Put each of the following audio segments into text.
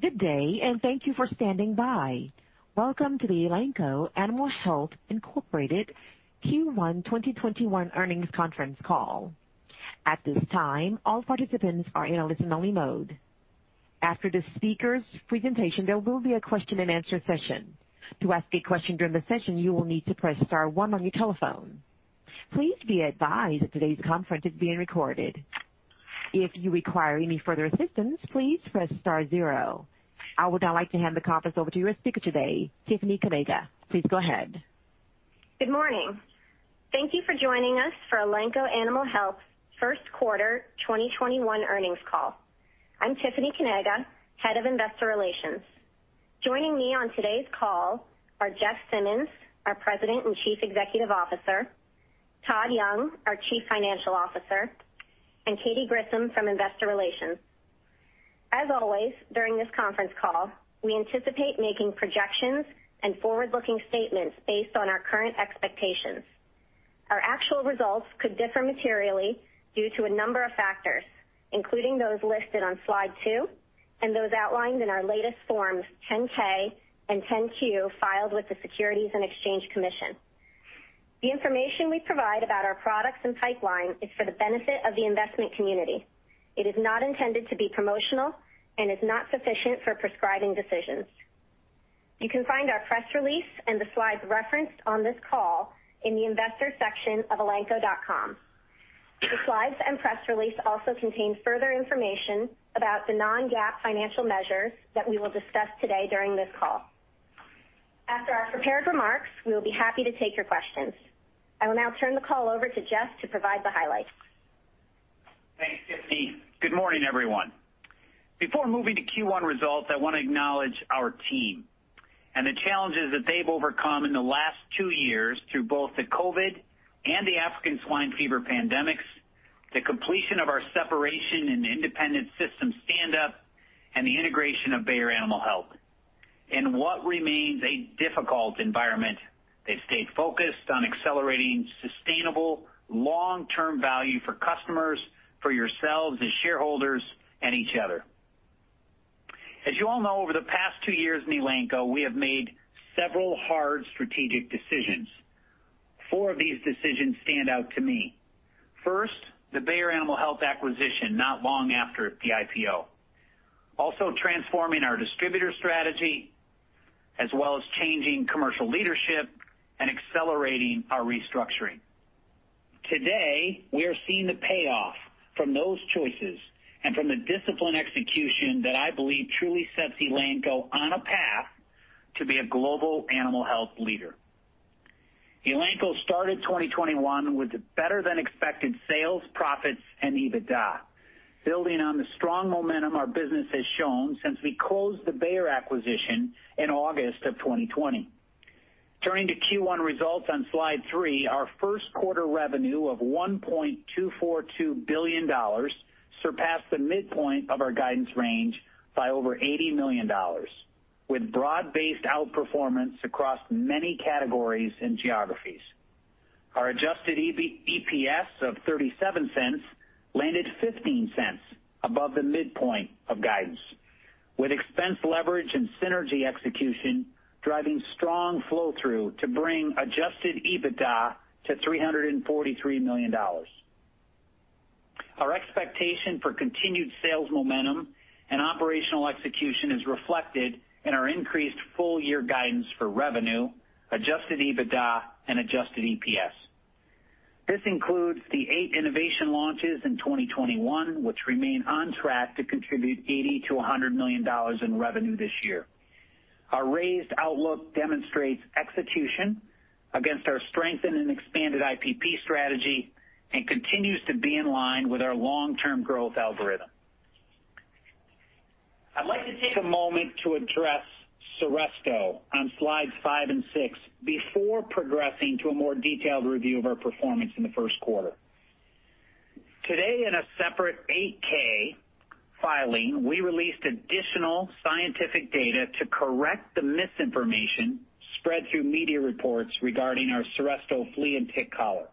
Good day, and thank you for standing by. Welcome to the Elanco Animal Health Incorporated Q1 2021 Earnings Conference Call. At this time all participants are in a listening-only mode. After the speaker's presentation there will be a question and answer session. To ask a question during the session you will need to press star one on your telephone. Please be advised that today's conference is being recorded. If you require any further assistance please press star zero. I would now like to hand the conference over to your speaker today, Tiffany Kanaga. Please go ahead. Good morning. Thank you for joining us for Elanco Animal Health's First Quarter 2021 Earnings Call. I'm Tiffany Kanaga, Head of Investor Relations. Joining me on today's call are Jeff Simmons, our President and Chief Executive Officer, Todd Young, our Chief Financial Officer, and Katy Grissom from Investor Relations. As always, during this conference call, we anticipate making projections and forward-looking statements based on our current expectations. Our actual results could differ materially due to a number of factors, including those listed on slide two and those outlined in our latest forms, 10-K and 10-Q, filed with the Securities and Exchange Commission. The information we provide about our products and pipeline is for the benefit of the investment community. It is not intended to be promotional and is not sufficient for prescribing decisions. You can find our press release and the slides referenced on this call in the investor section of elanco.com. The slides and press release also contain further information about the non-GAAP financial measures that we will discuss today during this call. After our prepared remarks, we will be happy to take your questions. I will now turn the call over to Jeff to provide the highlights. Thanks, Tiffany. Good morning, everyone. Before moving to Q1 results, I want to acknowledge our team and the challenges that they've overcome in the last two years through both the COVID and the African swine fever pandemics, the completion of our separation and independent system stand-up, and the integration of Bayer Animal Health. In what remains a difficult environment, they've stayed focused on accelerating sustainable long-term value for customers, for yourselves as shareholders, and each other. As you all know, over the past two years in Elanco, we have made several hard strategic decisions. Four of these decisions stand out to me. First, the Bayer Animal Health acquisition, not long after the IPO. Transforming our distributor strategy, as well as changing commercial leadership and accelerating our restructuring. Today, we are seeing the payoff from those choices and from the disciplined execution that I believe truly sets Elanco on a path to be a global animal health leader. Elanco started 2021 with better-than-expected sales, profits, and EBITDA, building on the strong momentum our business has shown since we closed the Bayer acquisition in August of 2020. Turning to Q1 results on slide three, our first quarter revenue of $1.242 billion surpassed the midpoint of our guidance range by over $80 million, with broad-based outperformance across many categories and geographies. Our adjusted EPS of $0.37 landed $0.15 above the midpoint of guidance, with expense leverage and synergy execution driving strong flow-through to bring Adjusted EBITDA to $343 million. Our expectation for continued sales momentum and operational execution is reflected in our increased full-year guidance for revenue, Adjusted EBITDA, and adjusted EPS. This includes the eight innovation launches in 2021, which remain on track to contribute $80 million-$100 million in revenue this year. Our raised outlook demonstrates execution against our strengthened and expanded IPP strategy and continues to be in line with our long-term growth algorithm. I'd like to take a moment to address Seresto on slides five and six before progressing to a more detailed review of our performance in the first quarter. Today, in a separate 8-K filing, we released additional scientific data to correct the misinformation spread through media reports regarding our Seresto flea and tick collar.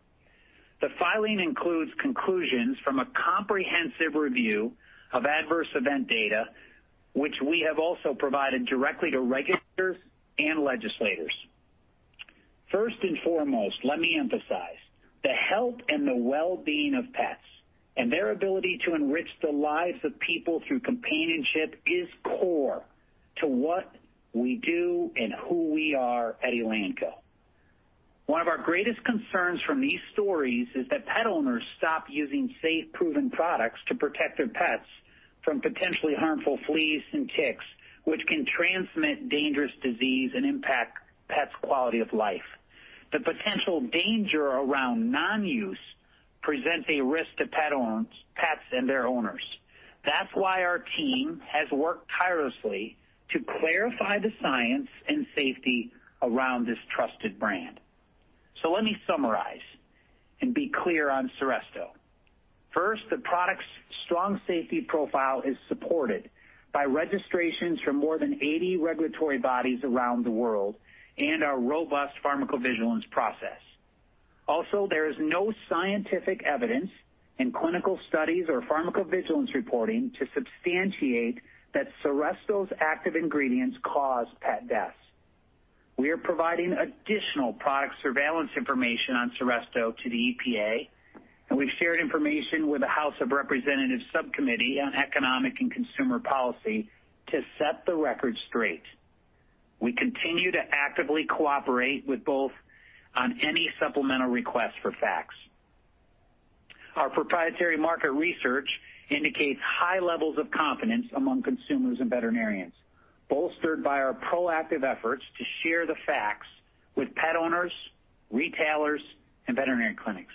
The filing includes conclusions from a comprehensive review of adverse event data, which we have also provided directly to regulators and legislators. First and foremost, let me emphasize, the health and the well-being of pets and their ability to enrich the lives of people through companionship is core to what we do and who we are at Elanco. One of our greatest concerns from these stories is that pet owners stop using safe, proven products to protect their pets from potentially harmful fleas and ticks, which can transmit dangerous disease and impact pets' quality of life. The potential danger around non-use presents a risk to pets and their owners. That's why our team has worked tirelessly to clarify the science and safety around this trusted brand. Let me summarize and be clear on Seresto. First, the product's strong safety profile is supported by registrations from more than 80 regulatory bodies around the world and our robust pharmacovigilance process. There is no scientific evidence in clinical studies or pharmacovigilance reporting to substantiate that Seresto's active ingredients cause pet deaths. We are providing additional product surveillance information on Seresto to the EPA, and we've shared information with the House of Representatives Subcommittee on Economic and Consumer Policy to set the record straight. We continue to actively cooperate with both on any supplemental request for facts. Our proprietary market research indicates high levels of confidence among consumers and veterinarians, bolstered by our proactive efforts to share the facts with pet owners, retailers, and veterinary clinics.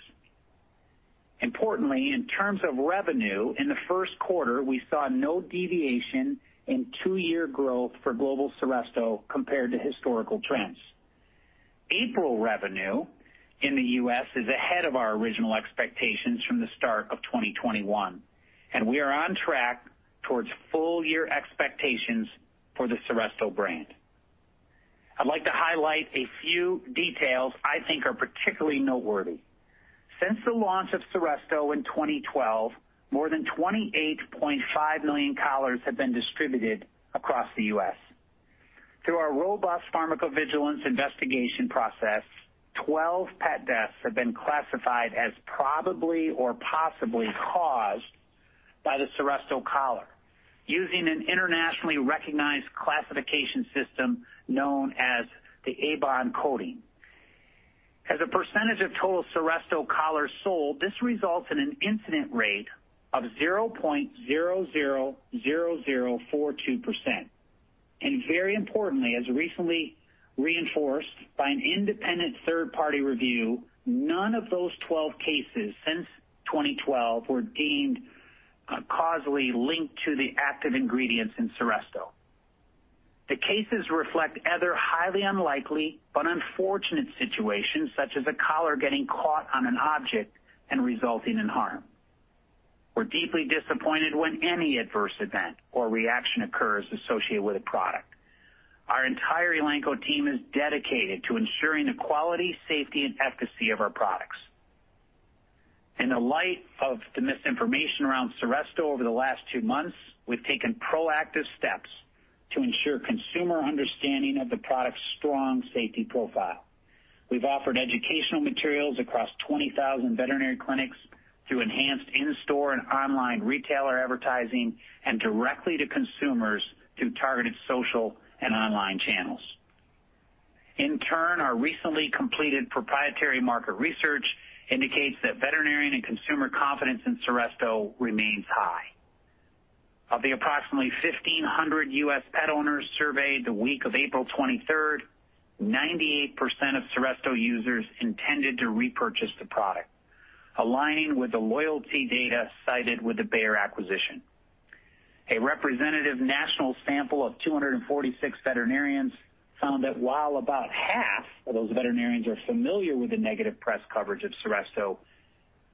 Importantly, in terms of revenue, in the first quarter, we saw no deviation in two-year growth for global Seresto compared to historical trends. April revenue in the U.S. is ahead of our original expectations from the start of 2021, and we are on track towards full-year expectations for the Seresto brand. I'd like to highlight a few details I think are particularly noteworthy. Since the launch of Seresto in 2012, more than 28.5 million collars have been distributed across the U.S. Through our robust pharmacovigilance investigation process, 12 pet deaths have been classified as probably or possibly caused by the Seresto collar using an internationally recognized classification system known as the ABON coding. As a percentage of total Seresto collars sold, this results in an incident rate of 0.000042%. Very importantly, as recently reinforced by an independent third-party review, none of those 12 cases since 2012 were deemed causally linked to the active ingredients in Seresto. The cases reflect either highly unlikely but unfortunate situations, such as a collar getting caught on an object and resulting in harm. We're deeply disappointed when any adverse event or reaction occurs associated with a product. Our entire Elanco team is dedicated to ensuring the quality, safety, and efficacy of our products. In the light of the misinformation around Seresto over the last two months, we've taken proactive steps to ensure consumer understanding of the product's strong safety profile. We've offered educational materials across 20,000 veterinary clinics through enhanced in-store and online retailer advertising and directly to consumers through targeted social and online channels. In turn, our recently completed proprietary market research indicates that veterinarian and consumer confidence in Seresto remains high. Of the approximately 1,500 US pet owners surveyed the week of April 23rd, 98% of Seresto users intended to repurchase the product, aligning with the loyalty data cited with the Bayer acquisition. A representative national sample of 246 veterinarians found that while about half of those veterinarians are familiar with the negative press coverage of Seresto,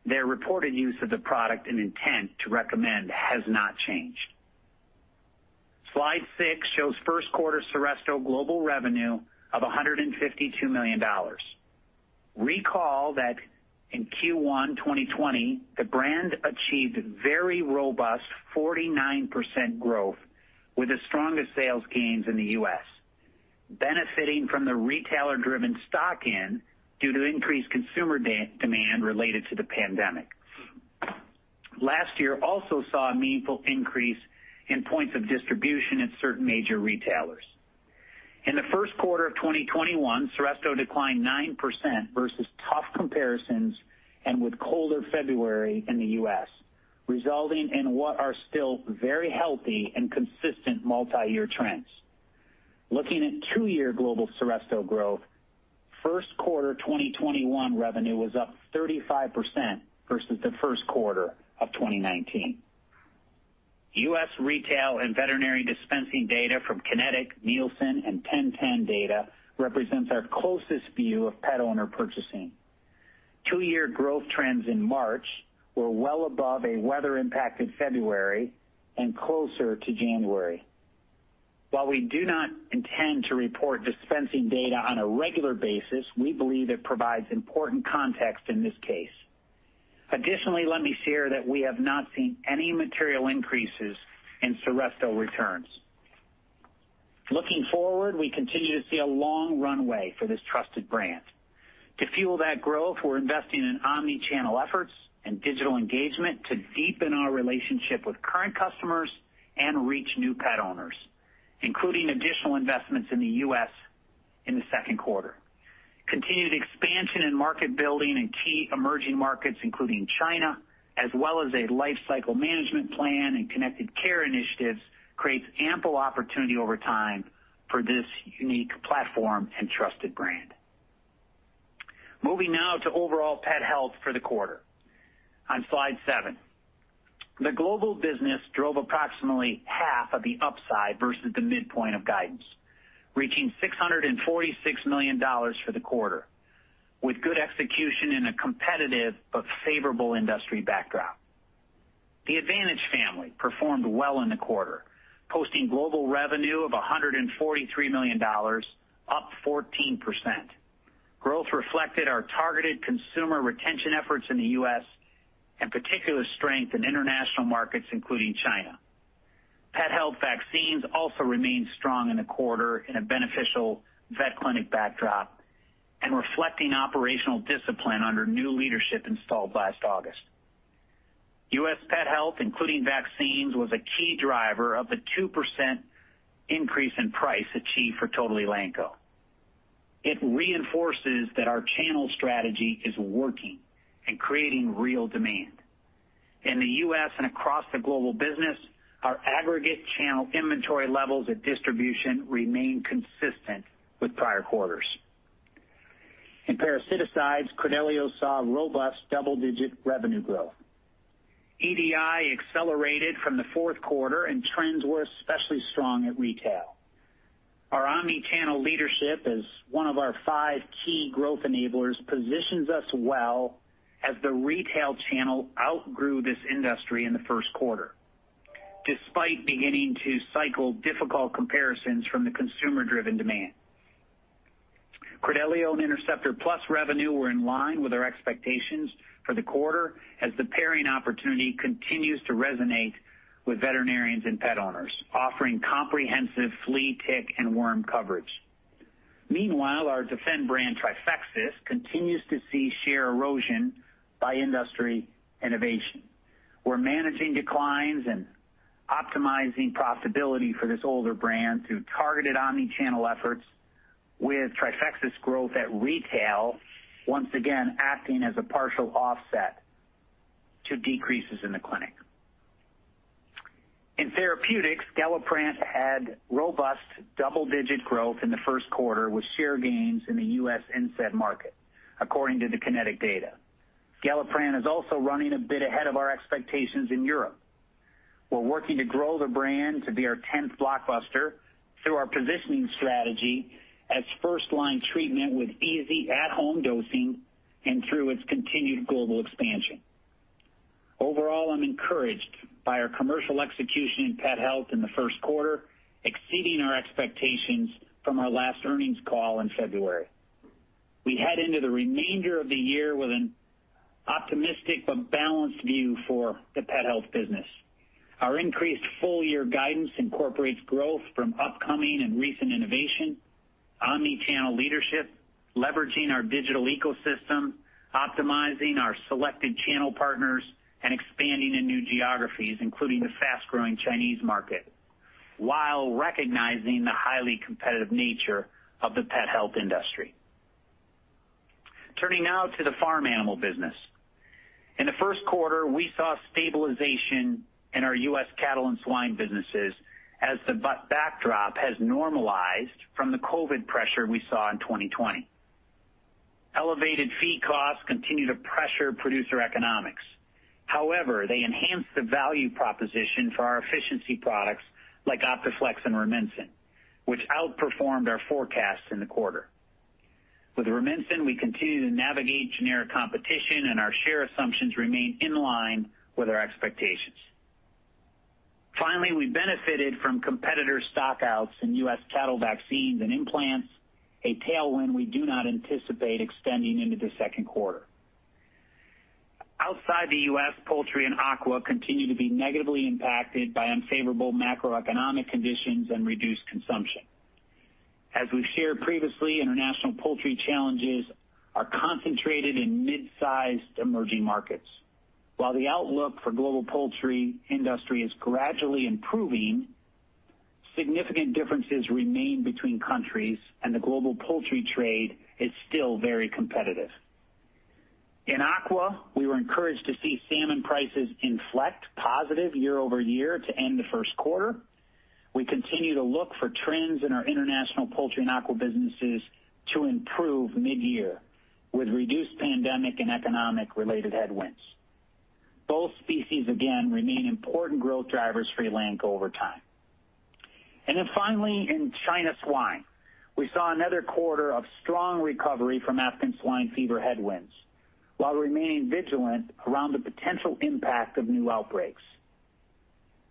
their reported use of the product and intent to recommend has not changed. Slide six shows first quarter Seresto global revenue of $152 million. Recall that in Q1 2020, the brand achieved very robust 49% growth with the strongest sales gains in the U.S., benefiting from the retailer-driven stock-in due to increased consumer demand related to the pandemic. Last year also saw a meaningful increase in points of distribution at certain major retailers. In the first quarter of 2021, Seresto declined 9% versus tough comparisons and with colder February in the U.S., resulting in what are still very healthy and consistent multi-year trends. Looking at two-year global Seresto growth, first quarter 2021 revenue was up 35% versus the first quarter of 2019. US retail and veterinary dispensing data from Kynetec, Nielsen, and 1010data represents our closest view of pet owner purchasing. Two-year growth trends in March were well above a weather-impacted February and closer to January. While we do not intend to report dispensing data on a regular basis, we believe it provides important context in this case. Additionally, let me share that we have not seen any material increases in Seresto returns. Looking forward, we continue to see a long runway for this trusted brand. To fuel that growth, we're investing in omni-channel efforts and digital engagement to deepen our relationship with current customers and reach new pet owners, including additional investments in the U.S. in the second quarter. Continued expansion in market building in key emerging markets, including China, as well as a Life Cycle Management plan and Connected Care initiatives, creates ample opportunity over time for this unique platform and trusted brand. Moving now to overall pet health for the quarter. On slide seven. The global business drove approximately half of the upside versus the midpoint of guidance, reaching $646 million for the quarter, with good execution in a competitive but favorable industry backdrop. The Advantage family performed well in the quarter, posting global revenue of $143 million, up 14%. Growth reflected our targeted consumer retention efforts in the U.S., and particular strength in international markets, including China. Pet health vaccines also remained strong in the quarter in a beneficial vet clinic backdrop, and reflecting operational discipline under new leadership installed last August. US pet health, including vaccines, was a key driver of the 2% increase in price achieved for total Elanco. It reinforces that our channel strategy is working and creating real demand. In the U.S. and across the global business, our aggregate channel inventory levels at distribution remain consistent with prior quarters. In parasiticides, Credelio saw robust double-digit revenue growth. EDI accelerated from the fourth quarter, and trends were especially strong at retail. Our omni-channel leadership as one of our five key growth enablers positions us well as the retail channel outgrew this industry in the first quarter, despite beginning to cycle difficult comparisons from the consumer-driven demand. Credelio and Interceptor Plus revenue were in line with our expectations for the quarter as the pairing opportunity continues to resonate with veterinarians and pet owners, offering comprehensive flea, tick, and worm coverage. Meanwhile, our defend brand Trifexis continues to see share erosion by industry innovation. We're managing declines and optimizing profitability for this older brand through targeted omni-channel efforts with Trifexis growth at retail, once again, acting as a partial offset to decreases in the clinic. In therapeutics, Galliprant had robust double-digit growth in the first quarter with share gains in the US NSAID market, according to the Kynetec data. Galliprant is also running a bit ahead of our expectations in Europe. We're working to grow the brand to be our 10th blockbuster through our positioning strategy as first-line treatment with easy at-home dosing and through its continued global expansion. Overall, I'm encouraged by our commercial execution in pet health in the first quarter, exceeding our expectations from our last earnings call in February. We head into the remainder of the year with an optimistic but balanced view for the pet health business. Our increased full-year guidance incorporates growth from upcoming and recent innovation, omni-channel leadership, leveraging our digital ecosystem, optimizing our selected channel partners, and expanding in new geographies, including the fast-growing Chinese market, while recognizing the highly competitive nature of the pet health industry. Turning now to the farm animal business. In the first quarter, we saw stabilization in our US cattle and swine businesses as the backdrop has normalized from the COVID pressure we saw in 2020. Elevated feed costs continue to pressure producer economics. They enhance the value proposition for our efficiency products like Optaflexx and Rumensin, which outperformed our forecasts in the quarter. With Rumensin, we continue to navigate generic competition, and our share assumptions remain in line with our expectations. Finally, we benefited from competitor stock-outs in US cattle vaccines and implants, a tailwind we do not anticipate extending into the second quarter. Outside the U.S., poultry and aqua continue to be negatively impacted by unfavorable macroeconomic conditions and reduced consumption. As we've shared previously, international poultry challenges are concentrated in mid-sized emerging markets. While the outlook for global poultry industry is gradually improving, significant differences remain between countries and the global poultry trade is still very competitive. In aqua, we were encouraged to see salmon prices inflect positive year-over-year to end the first quarter. We continue to look for trends in our international poultry and aqua businesses to improve mid-year with reduced pandemic and economic-related headwinds. Both species, again, remain important growth drivers for Elanco over time. Finally, in China swine, we saw another quarter of strong recovery from African swine fever headwinds, while remaining vigilant around the potential impact of new outbreaks.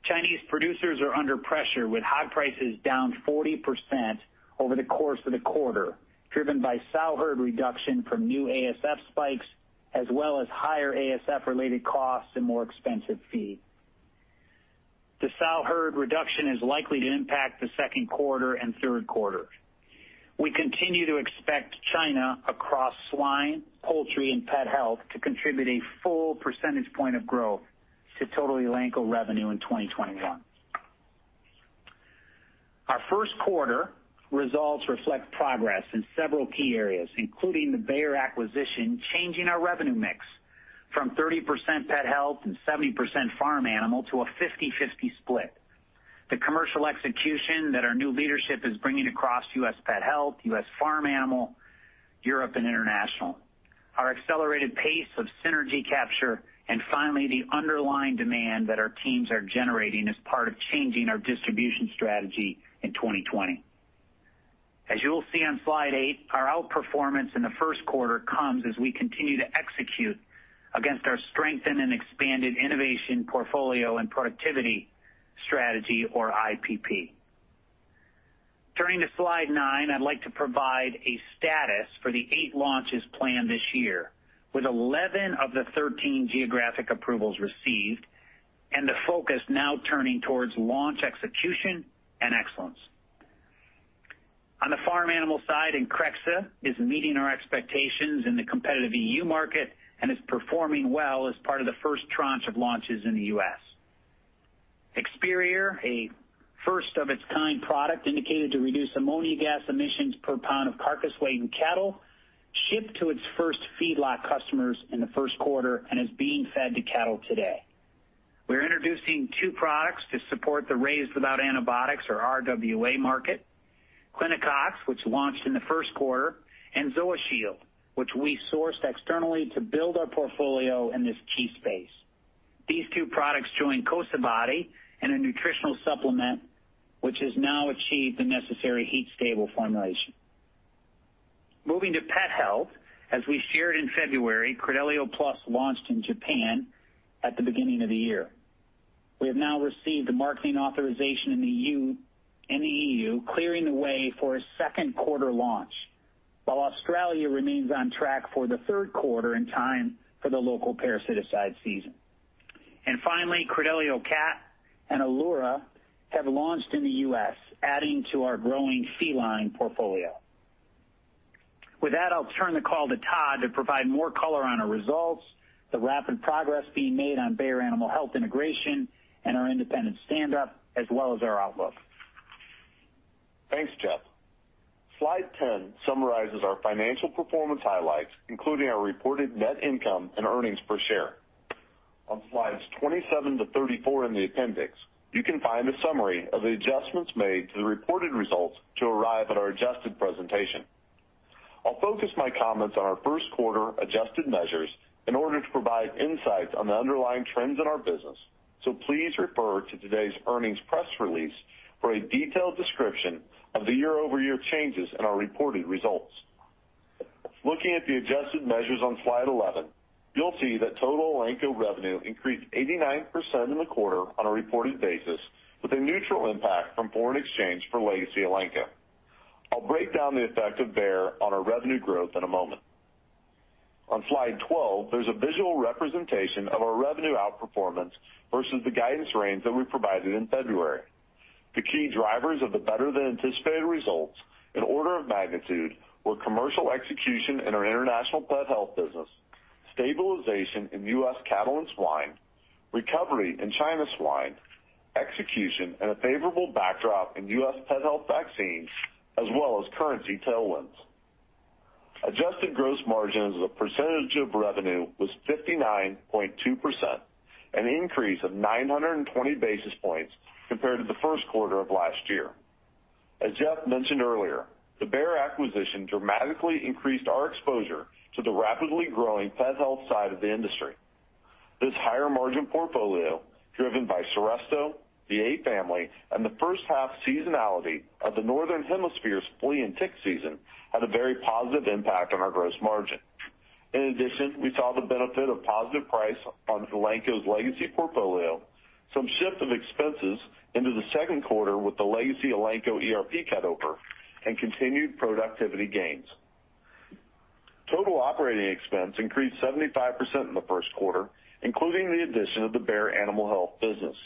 Chinese producers are under pressure with hog prices down 40% over the course of the quarter, driven by sow herd reduction from new ASF spikes, as well as higher ASF-related costs and more expensive feed. The sow herd reduction is likely to impact the second quarter and third quarter. We continue to expect China across swine, poultry, and pet health to contribute a full percentage point of growth to total Elanco revenue in 2021. Our first quarter results reflect progress in several key areas, including the Bayer acquisition, changing our revenue mix from 30% pet health and 70% farm animal to a 50/50 split. The commercial execution that our new leadership is bringing across US pet health, US farm animal, Europe, and international, our accelerated pace of synergy capture, and finally, the underlying demand that our teams are generating as part of changing our distribution strategy in 2020. As you'll see on slide eight, our outperformance in the first quarter comes as we continue to execute against our strength and an expanded Innovation, Portfolio, and Productivity strategy, or IPP. Turning to slide nine, I'd like to provide a status for the eight launches planned this year, with 11 of the 13 geographic approvals received, and the focus now turning towards launch execution and excellence. On the farm animal side, Increxxa is meeting our expectations in the competitive EU market and is performing well as part of the first tranche of launches in the U.S. Experior, a first-of-its-kind product indicated to reduce ammonia gas emissions per pound of carcass weight in cattle, shipped to its first feedlot customers in the first quarter and is being fed to cattle today. We're introducing two products to support the Raised Without Antibiotics, or RWA market, Clinacox, which launched in the first quarter, and ZoaShield, which we sourced externally to build our portfolio in this key space. These two products join Cosabody in a nutritional supplement, which has now achieved the necessary heat-stable formulation. Moving to pet health, as we shared in February, Credelio Plus launched in Japan at the beginning of the year. We have now received the marketing authorization in the EU, clearing the way for a second quarter launch, while Australia remains on track for the third quarter in time for the local parasitic season. Finally, Credelio Cat and Elura have launched in the U.S., adding to our growing feline portfolio. With that, I'll turn the call to Todd to provide more color on our results, the rapid progress being made on Bayer Animal Health integration, and our independent standup, as well as our outlook. Thanks, Jeff. Slide 10 summarizes our financial performance highlights, including our reported net income and earnings per share. On slides 27-34 in the appendix, you can find a summary of the adjustments made to the reported results to arrive at our adjusted presentation. I'll focus my comments on our first quarter adjusted measures in order to provide insight on the underlying trends in our business. Please refer to today's earnings press release for a detailed description of the year-over-year changes in our reported results. Looking at the adjusted measures on slide 11, you'll see that total Elanco revenue increased 89% in the quarter on a reported basis, with a neutral impact from foreign exchange for legacy Elanco. I'll break down the effect of Bayer on our revenue growth in a moment. On slide 12, there's a visual representation of our revenue outperformance versus the guidance range that we provided in February. The key drivers of the better-than-anticipated results in order of magnitude were commercial execution in our international pet health business, stabilization in US cattle and swine, recovery in China swine, execution and a favorable backdrop in US pet health vaccines, as well as currency tailwinds. Adjusted gross margin as a percentage of revenue was 59.2%, an increase of 920 basis points compared to the first quarter of last year. As Jeff mentioned earlier, the Bayer acquisition dramatically increased our exposure to the rapidly growing pet health side of the industry. This higher-margin portfolio, driven by Seresto, the A family, and the first half seasonality of the Northern Hemisphere's flea and tick season, had a very positive impact on our gross margin. We saw the benefit of positive price on Elanco's legacy portfolio, some shift of expenses into the second quarter with the legacy Elanco ERP cutover, and continued productivity gains. Total operating expense increased 75% in the first quarter, including the addition of the Bayer Animal Health business.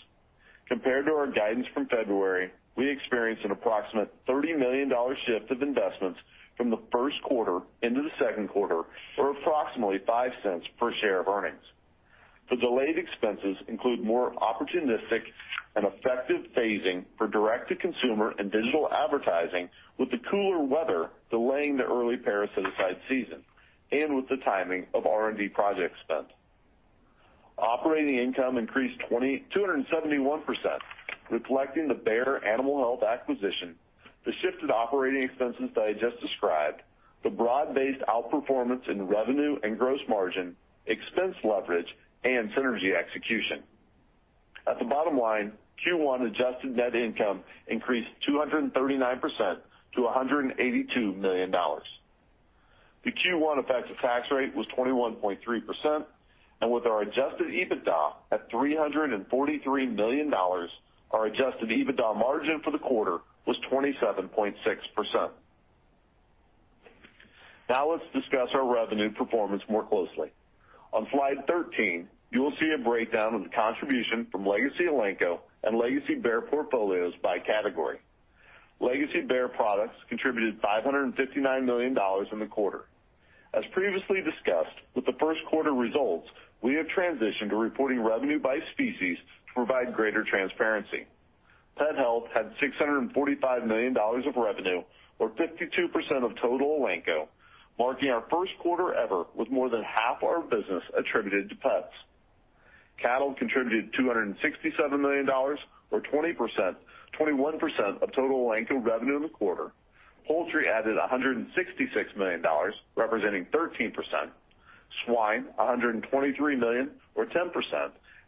Compared to our guidance from February, we experienced an approximate $30 million shift of investments from the first quarter into the second quarter, or approximately $0.05 per share of earnings. The delayed expenses include more opportunistic and effective phasing for direct-to-consumer and digital advertising, with the cooler weather delaying the early parasitic season, and with the timing of R&D project spend. Operating income increased 271%, reflecting the Bayer Animal Health acquisition, the shift in operating expenses that I just described, the broad-based outperformance in revenue and gross margin, expense leverage, and synergy execution. At the bottom line, Q1 adjusted net income increased 239% to $182 million. The Q1 effective tax rate was 21.3%. With our Adjusted EBITDA at $343 million, our Adjusted EBITDA margin for the quarter was 27.6%. Let's discuss our revenue performance more closely. On slide 13, you will see a breakdown of the contribution from legacy Elanco and legacy Bayer portfolios by category. Legacy Bayer products contributed $559 million in the quarter. As previously discussed with the first quarter results, we have transitioned to reporting revenue by species to provide greater transparency. Pet health had $645 million of revenue or 52% of total Elanco, marking our first quarter ever with more than half our business attributed to pets. Cattle contributed $267 million, or 21% of total Elanco revenue in the quarter. Poultry added $166 million, representing 13%. Swine, $123 million or 10%,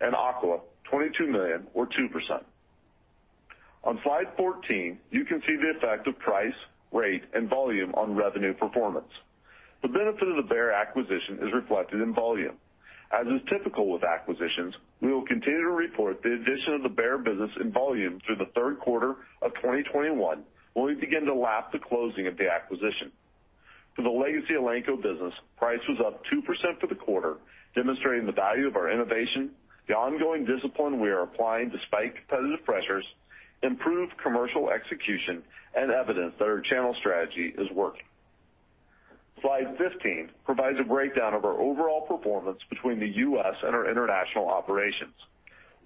and aqua, $22 million or 2%. On slide 14, you can see the effect of price, rate, and volume on revenue performance. The benefit of the Bayer acquisition is reflected in volume. As is typical with acquisitions, we will continue to report the addition of the Bayer business in volume through the third quarter of 2021, when we begin to lap the closing of the acquisition. For the legacy Elanco business, price was up 2% for the quarter, demonstrating the value of our innovation, the ongoing discipline we are applying despite competitive pressures, improved commercial execution, and evidence that our channel strategy is working. Slide 15 provides a breakdown of our overall performance between the U.S. and our international operations.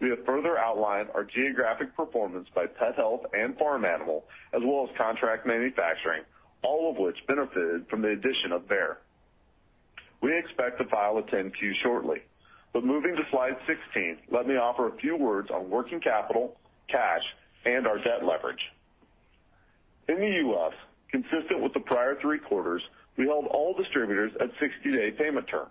We have further outlined our geographic performance by pet health and farm animal, as well as contract manufacturing, all of which benefited from the addition of Bayer. We expect to file a 10-Q shortly. Moving to slide 16, let me offer a few words on working capital, cash, and our debt leverage. In the U.S., consistent with the prior three quarters, we held all distributors at 60-day payment terms.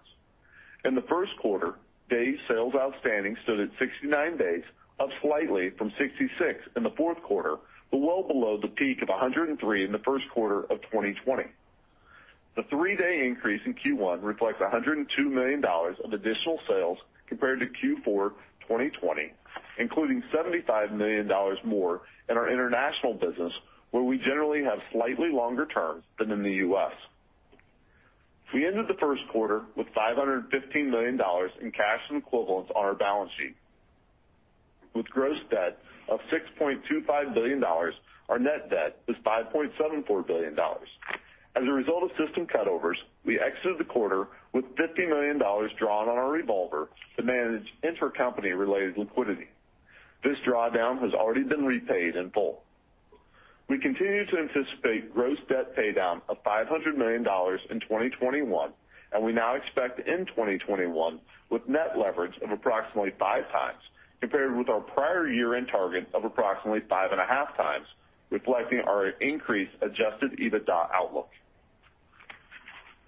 In the first quarter, day sales outstanding stood at 69 days, up slightly from 66 in the fourth quarter, well below the peak of 103 in the first quarter of 2020. The three-day increase in Q1 reflects $102 million of additional sales compared to Q4 2020, including $75 million more in our international business, where we generally have slightly longer terms than in the U.S. We ended the first quarter with $515 million in cash and equivalents on our balance sheet. With gross debt of $6.25 billion, our net debt was $5.74 billion. As a result of system cutovers, we exited the quarter with $50 million drawn on our revolver to manage intercompany-related liquidity. This drawdown has already been repaid in full. We continue to anticipate gross debt paydown of $500 million in 2021, and we now expect to end 2021 with net leverage of approximately 5x compared with our prior year-end target of approximately 5.5x, reflecting our increased Adjusted EBITDA outlook.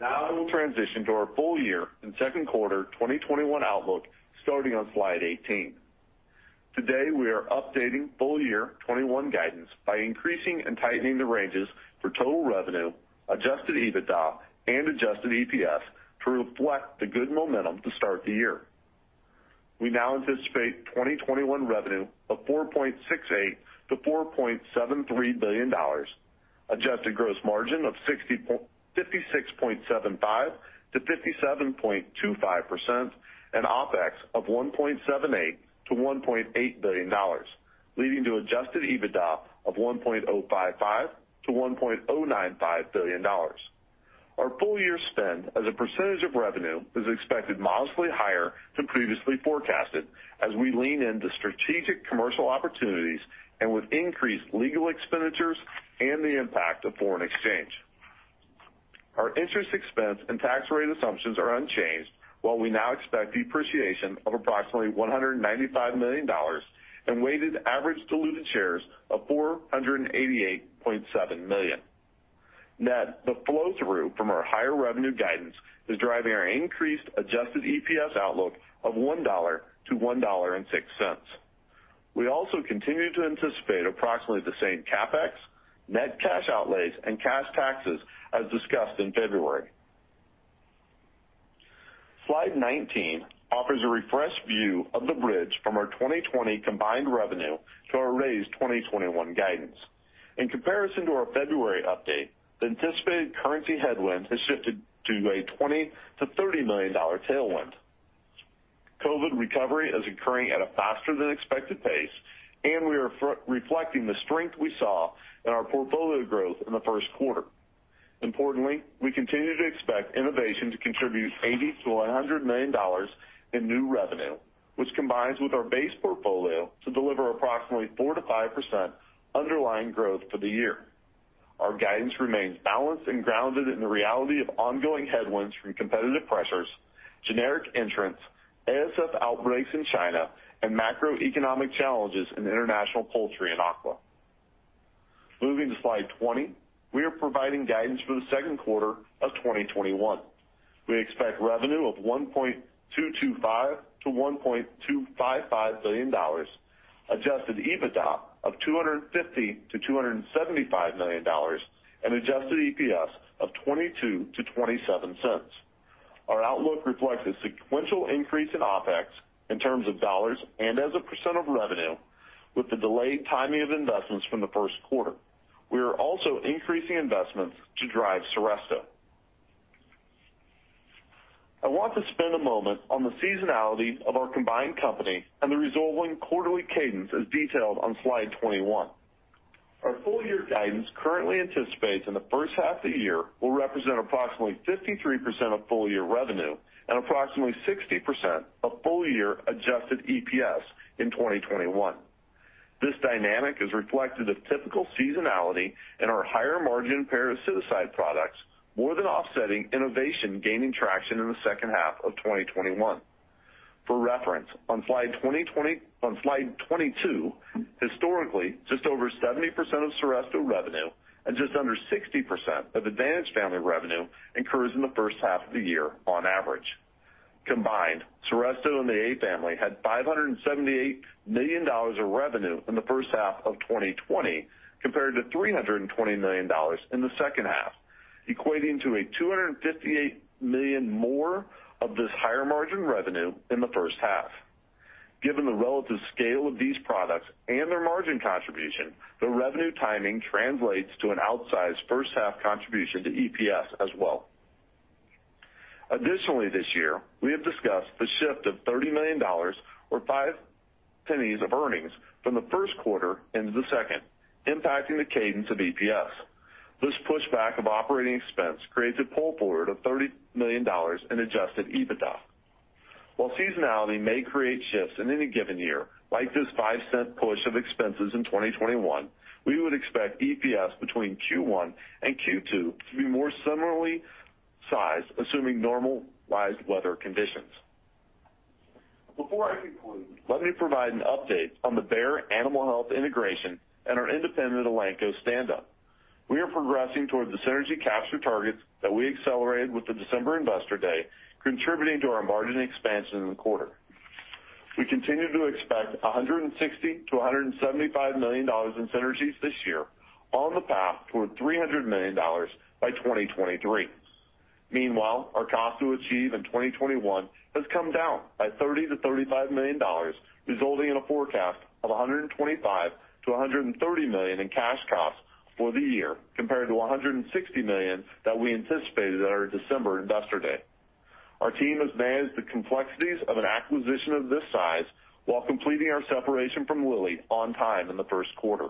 Now we'll transition to our full year and second quarter 2021 outlook, starting on slide 18. Today, we are updating full-year 2021 guidance by increasing and tightening the ranges for total revenue, Adjusted EBITDA, and adjusted EPS to reflect the good momentum to start the year. We now anticipate 2021 revenue of $4.68 billion-$4.73 billion, adjusted gross margin of 56.75%-57.25%, and OpEx of $1.78 billion-$1.8 billion, leading to Adjusted EBITDA of $1.055 billion-$1.095 billion. Our full-year spend as a percentage of revenue is expected modestly higher than previously forecasted as we lean into strategic commercial opportunities and with increased legal expenditures and the impact of foreign exchange. Our interest expense and tax rate assumptions are unchanged while we now expect depreciation of approximately $195 million and weighted average diluted shares of 488.7 million. Net, the flow-through from our higher revenue guidance is driving our increased adjusted EPS outlook of $1-$1.06. We also continue to anticipate approximately the same CapEx, net cash outlays, and cash taxes as discussed in February. Slide 19 offers a refreshed view of the bridge from our 2020 combined revenue to our raised 2021 guidance. In comparison to our February update, the anticipated currency headwind has shifted to a $20 million-$30 million tailwind. COVID recovery is occurring at a faster than expected pace. We are reflecting the strength we saw in our portfolio growth in the first quarter. Importantly, we continue to expect innovation to contribute $80 million-$100 million in new revenue, which combines with our base portfolio to deliver approximately 4%-5% underlying growth for the year. Our guidance remains balanced and grounded in the reality of ongoing headwinds from competitive pressures, generic entrants, ASF outbreaks in China, and macroeconomic challenges in international poultry and aqua. Moving to slide 20, we are providing guidance for the second quarter of 2021. We expect revenue of $1.225 billion-$1.255 billion, Adjusted EBITDA of $250 million-$275 million, and adjusted EPS of $0.22-$0.27. Our outlook reflects a sequential increase in OpEx in terms of dollars and as a percent of revenue with the delayed timing of investments from the first quarter. We are also increasing investments to drive Seresto. I want to spend a moment on the seasonality of our combined company and the resulting quarterly cadence as detailed on slide 21. Our full-year guidance currently anticipates that the first half of the year will represent approximately 53% of full-year revenue and approximately 60% of full-year adjusted EPS in 2021. This dynamic is reflective of typical seasonality in our higher-margin parasiticide products, more than offsetting innovation gaining traction in the second half of 2021. For reference, on slide 22, historically, just over 70% of Seresto revenue and just under 60% of Advantage family revenue occurs in the first half of the year on average. Combined, Seresto and the A family had $578 million of revenue in the first half of 2020, compared to $320 million in the second half, equating to a $258 million more of this higher margin revenue in the first half. Given the relative scale of these products and their margin contribution, the revenue timing translates to an outsized first-half contribution to EPS as well. Additionally, this year, we have discussed the shift of $30 million or $0.05 of earnings from the first quarter into the second, impacting the cadence of EPS. This pushback of operating expense creates a pull forward of $30 million in Adjusted EBITDA. While seasonality may create shifts in any given year, like this $0.05 push of expenses in 2021, we would expect EPS between Q1 and Q2 to be more similarly sized, assuming normalized weather conditions. Before I conclude, let me provide an update on the Bayer Animal Health integration and our independent Elanco standup. We are progressing toward the synergy capture targets that we accelerated with the December Investor Day, contributing to our margin expansion in the quarter. We continue to expect $160 million-$175 million in synergies this year, on the path toward $300 million by 2023. Meanwhile, our cost to achieve in 2021 has come down by $30 million-$35 million, resulting in a forecast of $125 million-$130 million in cash costs for the year, compared to $160 million that we anticipated at our December Investor Day. Our team has managed the complexities of an acquisition of this size while completing our separation from Lilly on time in the first quarter.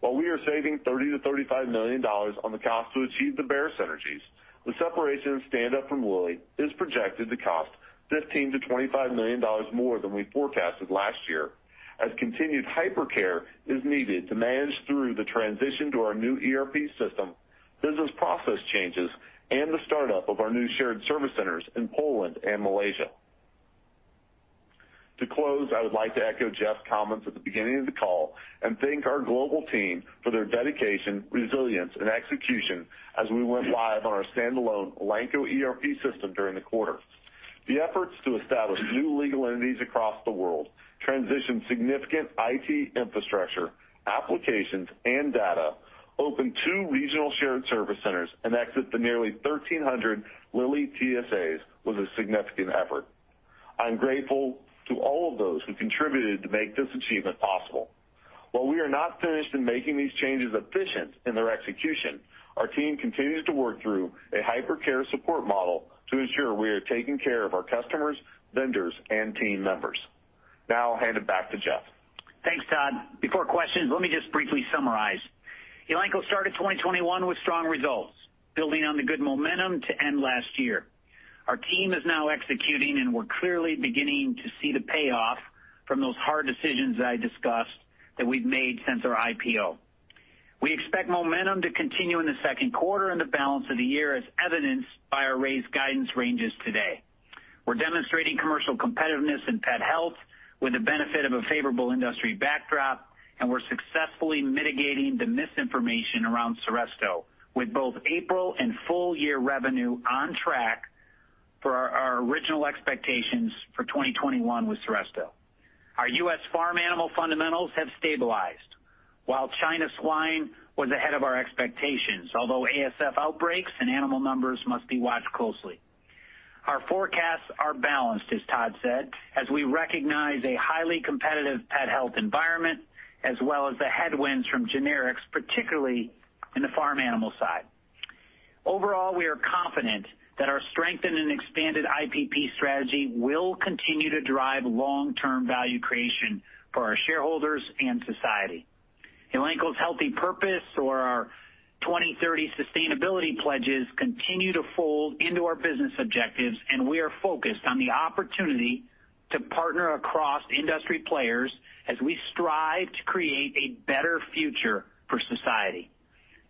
While we are saving $30 million-$35 million on the cost to achieve the Bayer synergies, the separation and standup from Lilly is projected to cost $15 million-$25 million more than we forecasted last year, as continued hypercare is needed to manage through the transition to our new ERP system, business process changes, and the startup of our new shared service centers in Poland and Malaysia. To close, I would like to echo Jeff's comments at the beginning of the call and thank our global team for their dedication, resilience, and execution as we went live on our standalone Elanco ERP system during the quarter. The efforts to establish new legal entities across the world, transition significant IT infrastructure, applications, and data, open two regional shared service centers, and exit the nearly 1,300 Lilly TSAs was a significant effort. I'm grateful to all of those who contributed to make this achievement possible. While we are not finished in making these changes efficient in their execution, our team continues to work through a hypercare support model to ensure we are taking care of our customers, vendors, and team members. I'll hand it back to Jeff. Thanks, Todd. Before questions, let me just briefly summarize. Elanco started 2021 with strong results, building on the good momentum to end last year. Our team is now executing, and we're clearly beginning to see the payoff from those hard decisions that I discussed that we've made since our IPO. We expect momentum to continue in the second quarter and the balance of the year, as evidenced by our raised guidance ranges today. We're demonstrating commercial competitiveness in pet health with the benefit of a favorable industry backdrop, and we're successfully mitigating the misinformation around Seresto, with both April and full-year revenue on track for our original expectations for 2021 with Seresto. Our US farm animal fundamentals have stabilized. While China swine was ahead of our expectations, although ASF outbreaks and animal numbers must be watched closely. Our forecasts are balanced, as Todd said, as we recognize a highly competitive pet health environment as well as the headwinds from generics, particularly in the farm animal side. Overall, we are confident that our strengthened and expanded IPP strategy will continue to drive long-term value creation for our shareholders and society. Elanco's healthy purpose or our 2030 sustainability pledges continue to fold into our business objectives, and we are focused on the opportunity to partner across industry players as we strive to create a better future for society.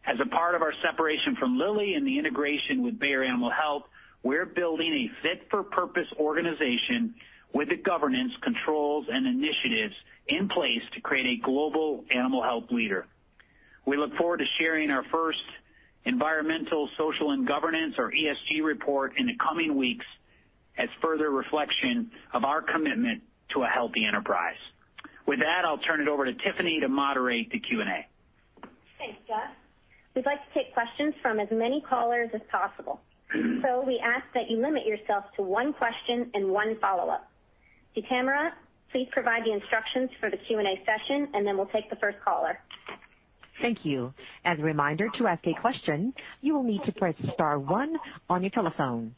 As a part of our separation from Lilly and the integration with Bayer Animal Health, we're building a fit-for-purpose organization with the governance, controls, and initiatives in place to create a global animal health leader. We look forward to sharing our first environmental, social, and governance, or ESG, report in the coming weeks as further reflection of our commitment to a healthy enterprise. With that, I'll turn it over to Tiffany to moderate the Q&A. Thanks, Jeff. We'd like to take questions from as many callers as possible. So we ask that you limit yourself to one question and one follow-up. Tamara, please provide the instructions for the Q&A session, and then we'll take the first caller. Thank you. As a reminder, to ask a question, you will need to press star one on your telephone.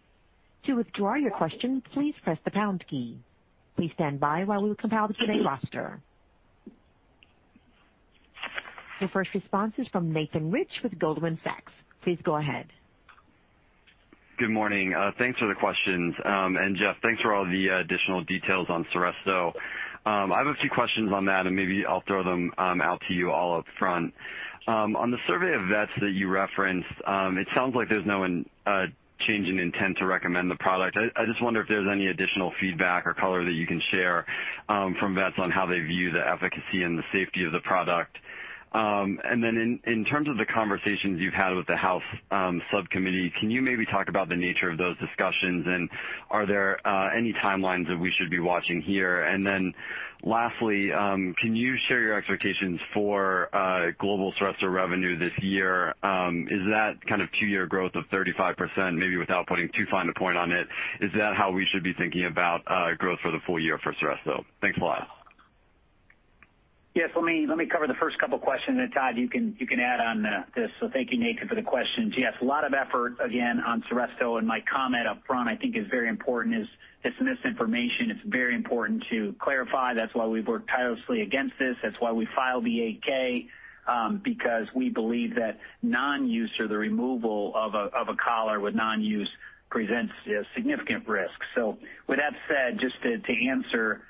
To withdraw your question, please press the pound key. Please stand by while we compile the Q&A roster. Your first response is from Nathan Rich with Goldman Sachs. Please go ahead. Good morning. Thanks for the questions. Jeff, thanks for all the additional details on Seresto. I have a few questions on that, and maybe I'll throw them out to you all up front. On the survey of vets that you referenced, it sounds like there's no change in intent to recommend the product. I just wonder if there's any additional feedback or color that you can share from vets on how they view the efficacy and the safety of the product. In terms of the conversations you've had with the House subcommittee, can you maybe talk about the nature of those discussions, and are there any timelines that we should be watching here? Lastly, can you share your expectations for global Seresto revenue this year? Is that kind of two-year growth of 35%, maybe without putting too fine a point on it, is that how we should be thinking about growth for the full year for Seresto? Thanks a lot. Let me cover the first couple questions. Todd, you can add on this. Thank you, Nathan, for the questions. A lot of effort again on Seresto, and my comment upfront I think is very important is this misinformation is very important to clarify. That's why we've worked tirelessly against this. That's why we filed the 8-K, because we believe that non-use or the removal of a collar with non-use presents a significant risk. With that said, just to answer,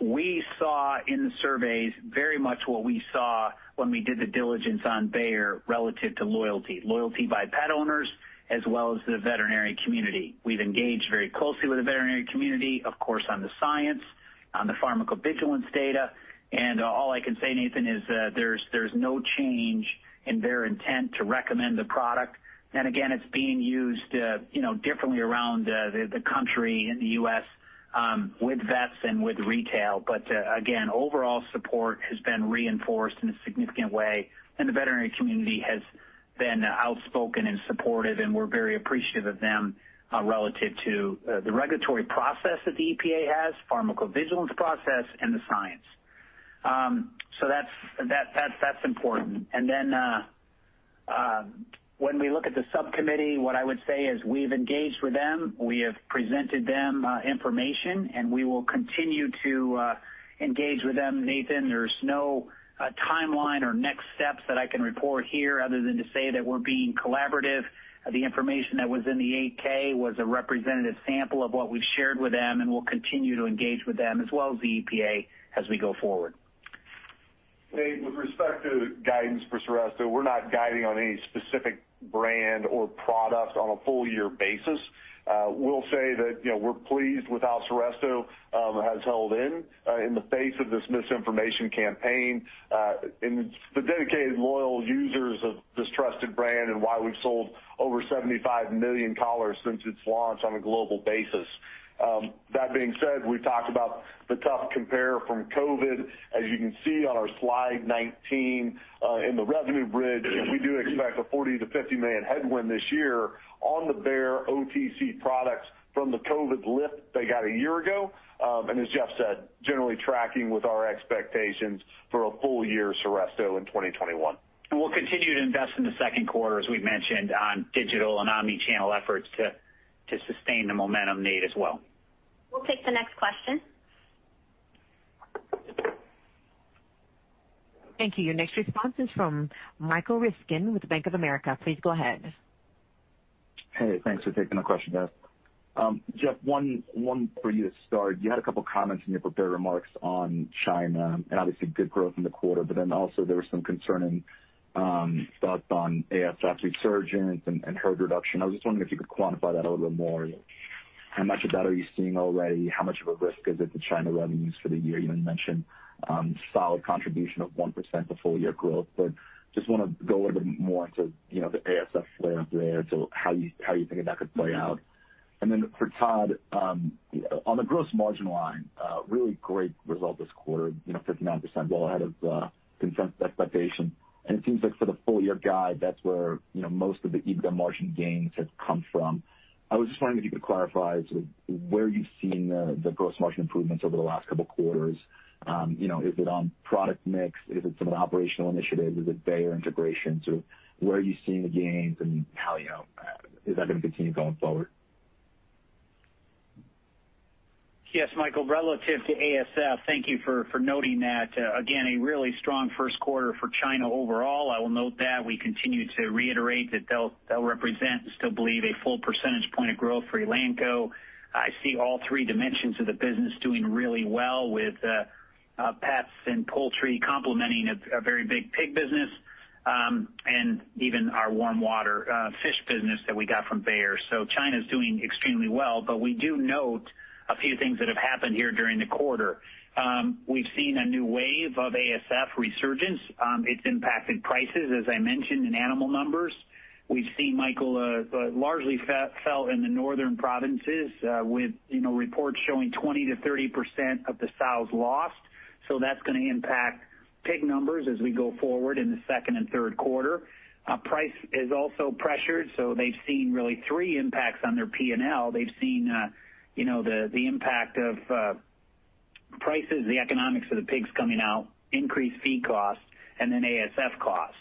we saw in the surveys very much what we saw when we did the diligence on Bayer relative to loyalty. Loyalty by pet owners as well as the veterinary community. We've engaged very closely with the veterinary community, of course, on the science, on the pharmacovigilance data, and all I can say, Nathan, is that there's no change in their intent to recommend the product. And again, it's being used differently around the country in the U.S. with vets and with retail. Again, overall support has been reinforced in a significant way, and the veterinary community has been outspoken and supportive, and we're very appreciative of them relative to the regulatory process that the EPA has, pharmacovigilance process, and the science. That's important. Then, when we look at the subcommittee, what I would say is we've engaged with them, we have presented them information, and we will continue to engage with them, Nathan. There's no timeline or next steps that I can report here other than to say that we're being collaborative. The information that was in the 8-K was a representative sample of what we've shared with them, and we'll continue to engage with them as well as the EPA as we go forward. Nate, with respect to guidance for Seresto, we're not guiding on any specific brand or product on a full-year basis. We'll say that we're pleased with how Seresto has held in the face of this misinformation campaign, and the dedicated, loyal users of this trusted brand and why we've sold over 75 million collars since its launch on a global basis. That being said, we've talked about the tough compare from COVID. As you can see on our slide 19, in the revenue bridge, we do expect a $40 million-$50 million headwind this year on the Bayer OTC products from the COVID lift they got a year ago. As Jeff said, generally tracking with our expectations for a full year Seresto in 2021. We'll continue to invest in the second quarter, as we've mentioned, on digital and omni-channel efforts to sustain the momentum, Nate, as well. We'll take the next question. Thank you. Your next response is from Michael Ryskin with Bank of America. Please go ahead. Hey, thanks for taking the question, guys. Jeff, one for you to start. You had a couple comments in your prepared remarks on China, and obviously good growth in the quarter, but then also there was some concerning thoughts on ASF resurgence and herd reduction. I was just wondering if you could quantify that a little bit more. How much of that are you seeing already? How much of a risk is it to China revenues for the year? You mentioned solid contribution of 1% to full-year growth. Just want to go a little bit more into the ASF flare-up there, to how you think that could play out. Then for Todd, on the gross margin line, really great result this quarter, 59%, well ahead of the consensus expectation. It seems like for the full-year guide, that's where most of the EBITDA margin gains have come from. I was just wondering if you could clarify sort of where you've seen the gross margin improvements over the last couple of quarters? Is it on product mix? Is it from an operational initiative? Is it Bayer integration? Sort of where are you seeing the gains and how is that going to continue going forward? Yes, Michael, relative to ASF, thank you for noting that. A really strong first quarter for China overall. I will note that we continue to reiterate that that represents, still believe, a full percentage point of growth for Elanco. I see all three dimensions of the business doing really well with pets and poultry complementing a very big pig business, and even our warm water, fish business that we got from Bayer. China's doing extremely well, but we do note a few things that have happened here during the quarter. We've seen a new wave of ASF resurgence. It's impacted prices, as I mentioned, in animal numbers. We've seen, Michael, largely felt in the northern provinces, with reports showing 20%-30% of the sows lost. That's going to impact pig numbers as we go forward in the second and third quarter. Price is also pressured. They've seen really three impacts on their P&L. They've seen the impact of prices, the economics of the pigs coming out, increased feed costs, and then ASF costs.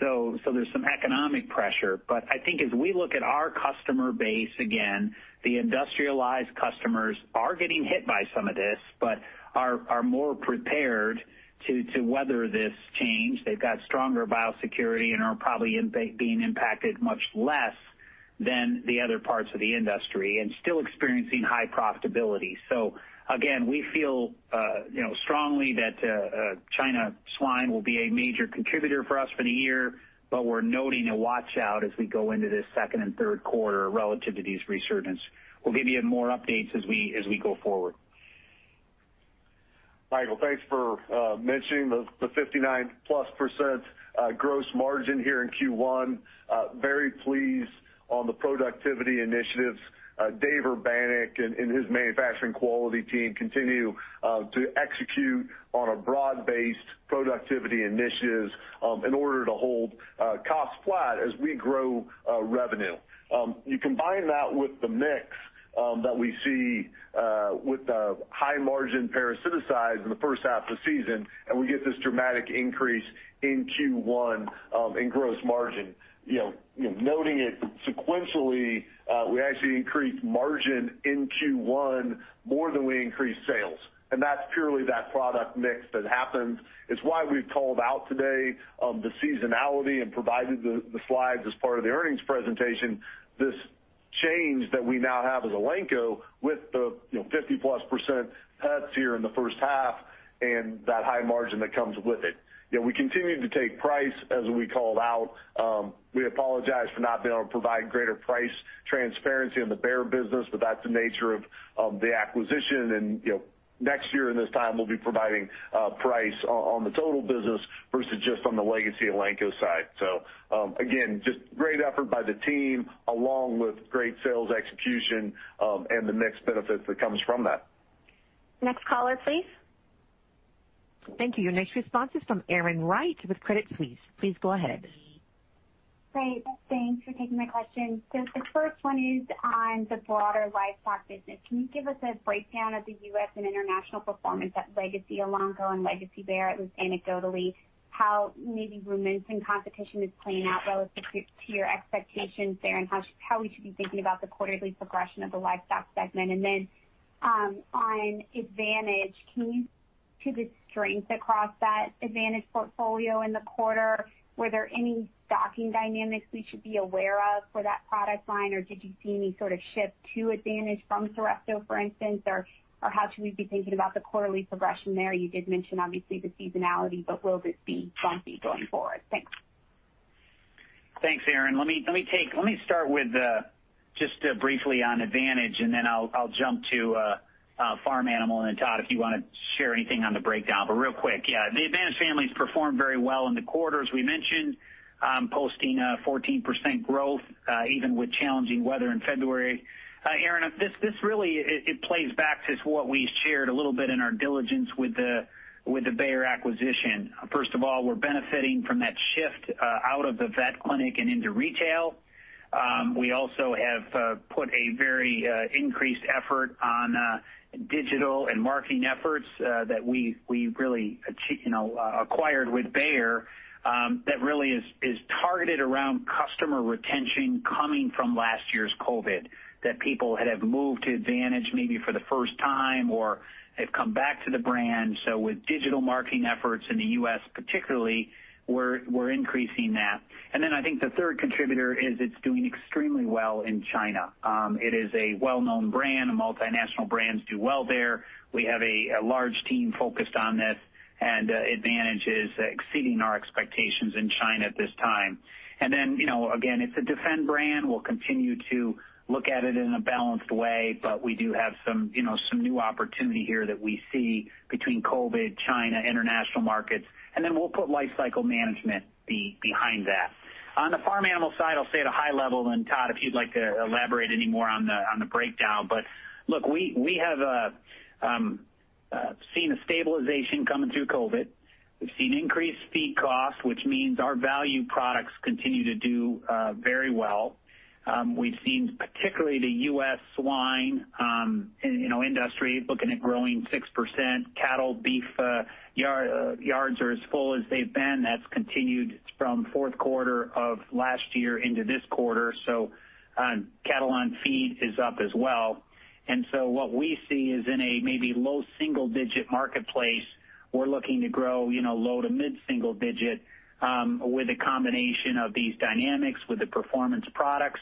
There's some economic pressure, but I think as we look at our customer base, again, the industrialized customers are getting hit by some of this, but are more prepared to weather this change. They've got stronger biosecurity and are probably being impacted much less than the other parts of the industry, and still experiencing high profitability. So again, we feel strongly that China swine will be a major contributor for us for the year, but we're noting a watch-out as we go into this second and third quarter relative to these resurgences. We'll give you more updates as we go forward. Michael, thanks for mentioning the 59%+ gross margin here in Q1. Very pleased on the productivity initiatives. David Urbanek and his Manufacturing and Quality team continue to execute on a broad-based productivity initiatives in order to hold costs flat as we grow revenue. You combine that with the mix that we see with the high-margin parasiticides in the first half of the season, we get this dramatic increase in Q1 in gross margin. Noting it sequentially, we actually increased margin in Q1 more than we increased sales. That's purely that product mix that happens. It's why we've called out today the seasonality and provided the slides as part of the earnings presentation. This change that we now have as Elanco with the 50%+ pets here in the first half and that high margin that comes with it. We continue to take price as we called out. We apologize for not being able to provide greater price transparency in the Bayer business, that's the nature of the acquisition. Next year in this time, we'll be providing price on the total business versus just on the legacy Elanco side. Again, just great effort by the team along with great sales execution, and the mix benefits that comes from that. Next caller, please. Thank you. Your next response is from Erin Wright with Credit Suisse. Please go ahead. Great. Thanks for taking my question. The first one is on the broader livestock business. Can you give us a breakdown of the U.S. and international performance at legacy Elanco and legacy Bayer, at least anecdotally, how maybe Rumensin competition is playing out relative to your expectations there and how we should be thinking about the quarterly progression of the livestock segment? On Advantage, to the strength across that Advantage portfolio in the quarter, were there any stocking dynamics we should be aware of for that product line, or did you see any sort of shift to Advantage from Seresto, for instance, or how should we be thinking about the quarterly progression there? You did mention, obviously, the seasonality, but will this be bumpy going forward? Thanks. Thanks, Erin. Let me start with just briefly on Advantage, and then I'll jump to farm animal, and then Todd, if you want to share anything on the breakdown. Real quick, yeah, the Advantage families performed very well in the quarter, as we mentioned, posting a 14% growth, even with challenging weather in February. Erin, this really, it plays back to what we shared a little bit in our diligence with the Bayer acquisition. First of all, we're benefiting from that shift out of the vet clinic and into retail. We also have put a very increased effort on digital and marketing efforts that we really acquired with Bayer, that really is targeted around customer retention coming from last year's COVID, that people have moved to Advantage maybe for the first time or have come back to the brand. With digital marketing efforts in the U.S. particularly, we're increasing that. I think the third contributor is it's doing extremely well in China. It is a well-known brand, and multinational brands do well there. We have a large team focused on this, and Advantage is exceeding our expectations in China at this time. Again, it's a defend brand. We'll continue to look at it in a balanced way, but we do have some new opportunity here that we see between COVID, China, international markets, and then we'll put life cycle management behind that. On the farm animal side, I'll stay at a high level, and Todd, if you'd like to elaborate any more on the breakdown. Look, we have seen a stabilization coming through COVID. We've seen increased feed costs, which means our value products continue to do very well. We've seen particularly the US swine industry looking at growing 6%. Cattle, beef yards are as full as they've been. That's continued from fourth quarter of last year into this quarter. Cattle on feed is up as well. What we see is in a maybe low single-digit marketplace, we're looking to grow low to mid-single digit with a combination of these dynamics, with the performance products,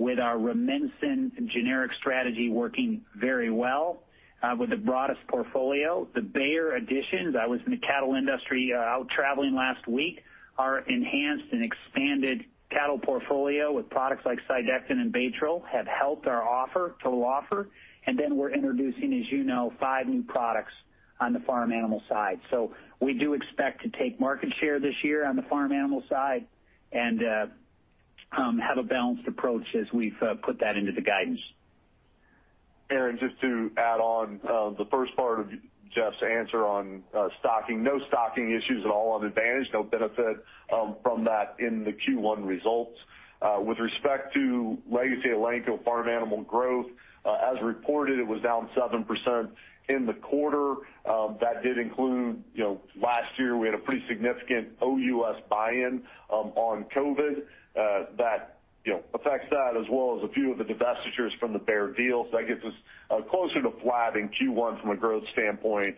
with our Rumensin generic strategy working very well, with the broadest portfolio. The Bayer additions, I was in the cattle industry out traveling last week, our enhanced and expanded cattle portfolio with products like Cydectin and Baytril have helped our offer, total offer. We're introducing, as you know, five new products on the farm animal side. We do expect to take market share this year on the farm animal side and have a balanced approach as we've put that into the guidance. Erin, just to add on the first part of Jeff's answer on stocking. No stocking issues at all on Advantage. No benefit from that in the Q1 results. With respect to legacy Elanco farm animal growth, as reported, it was down 7% in the quarter. That did include last year, we had a pretty significant OUS buy-in on COVID that affects that as well as a few of the divestitures from the Bayer deals. That gets us closer to flat in Q1 from a growth standpoint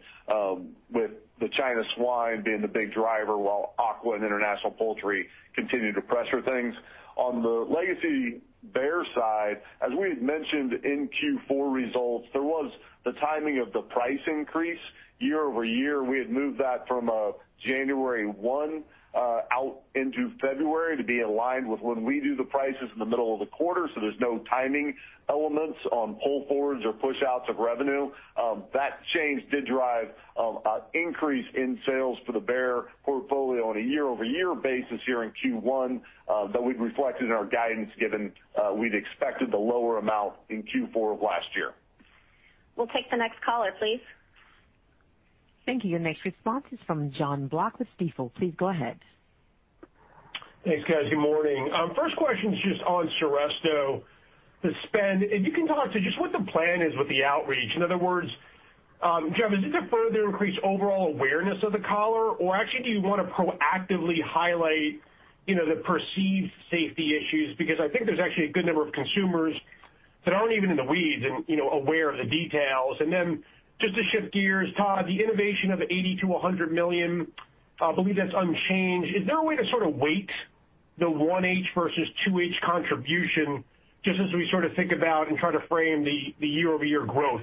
with the China swine being the big driver while aqua and international poultry continue to pressure things. On the legacy Bayer side, as we had mentioned in Q4 results, there was the timing of the price increase year-over-year. We had moved that from January 1 out into February to be aligned with when we do the prices in the middle of the quarter. There's no timing elements on pull forwards or pushouts of revenue. That change did drive an increase in sales for the Bayer portfolio on a year-over-year basis here in Q1, that we'd reflected in our guidance given we'd expected the lower amount in Q4 of last year. We'll take the next caller, please. Thank you. Your next response is from Jon Block with Stifel. Please go ahead. Thanks, guys. Good morning. First question is just on Seresto, the spend. If you can talk to just what the plan is with the outreach. In other words, Jeff, is it to further increase overall awareness of the collar? Or actually, do you want to proactively highlight the perceived safety issues? Because I think there's actually a good number of consumers that aren't even in the weeds and aware of the details. Just to shift gears, Todd, the innovation of $80 million-$100 million, I believe that's unchanged. Is there a way to sort of weight the 1H versus 2H contribution, just as we sort of think about and try to frame the year-over-year growth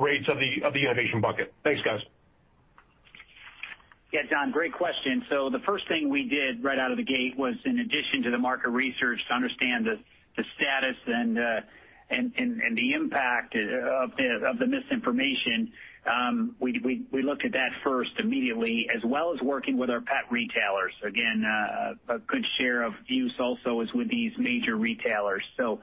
rates of the innovation bucket? Thanks, guys. Yeah, Jon, great question. The first thing we did right out of the gate was in addition to the market research to understand the status and the impact of the misinformation. We looked at that first immediately as well as working with our pet retailers. Again, a good share of use also is with these major retailers. The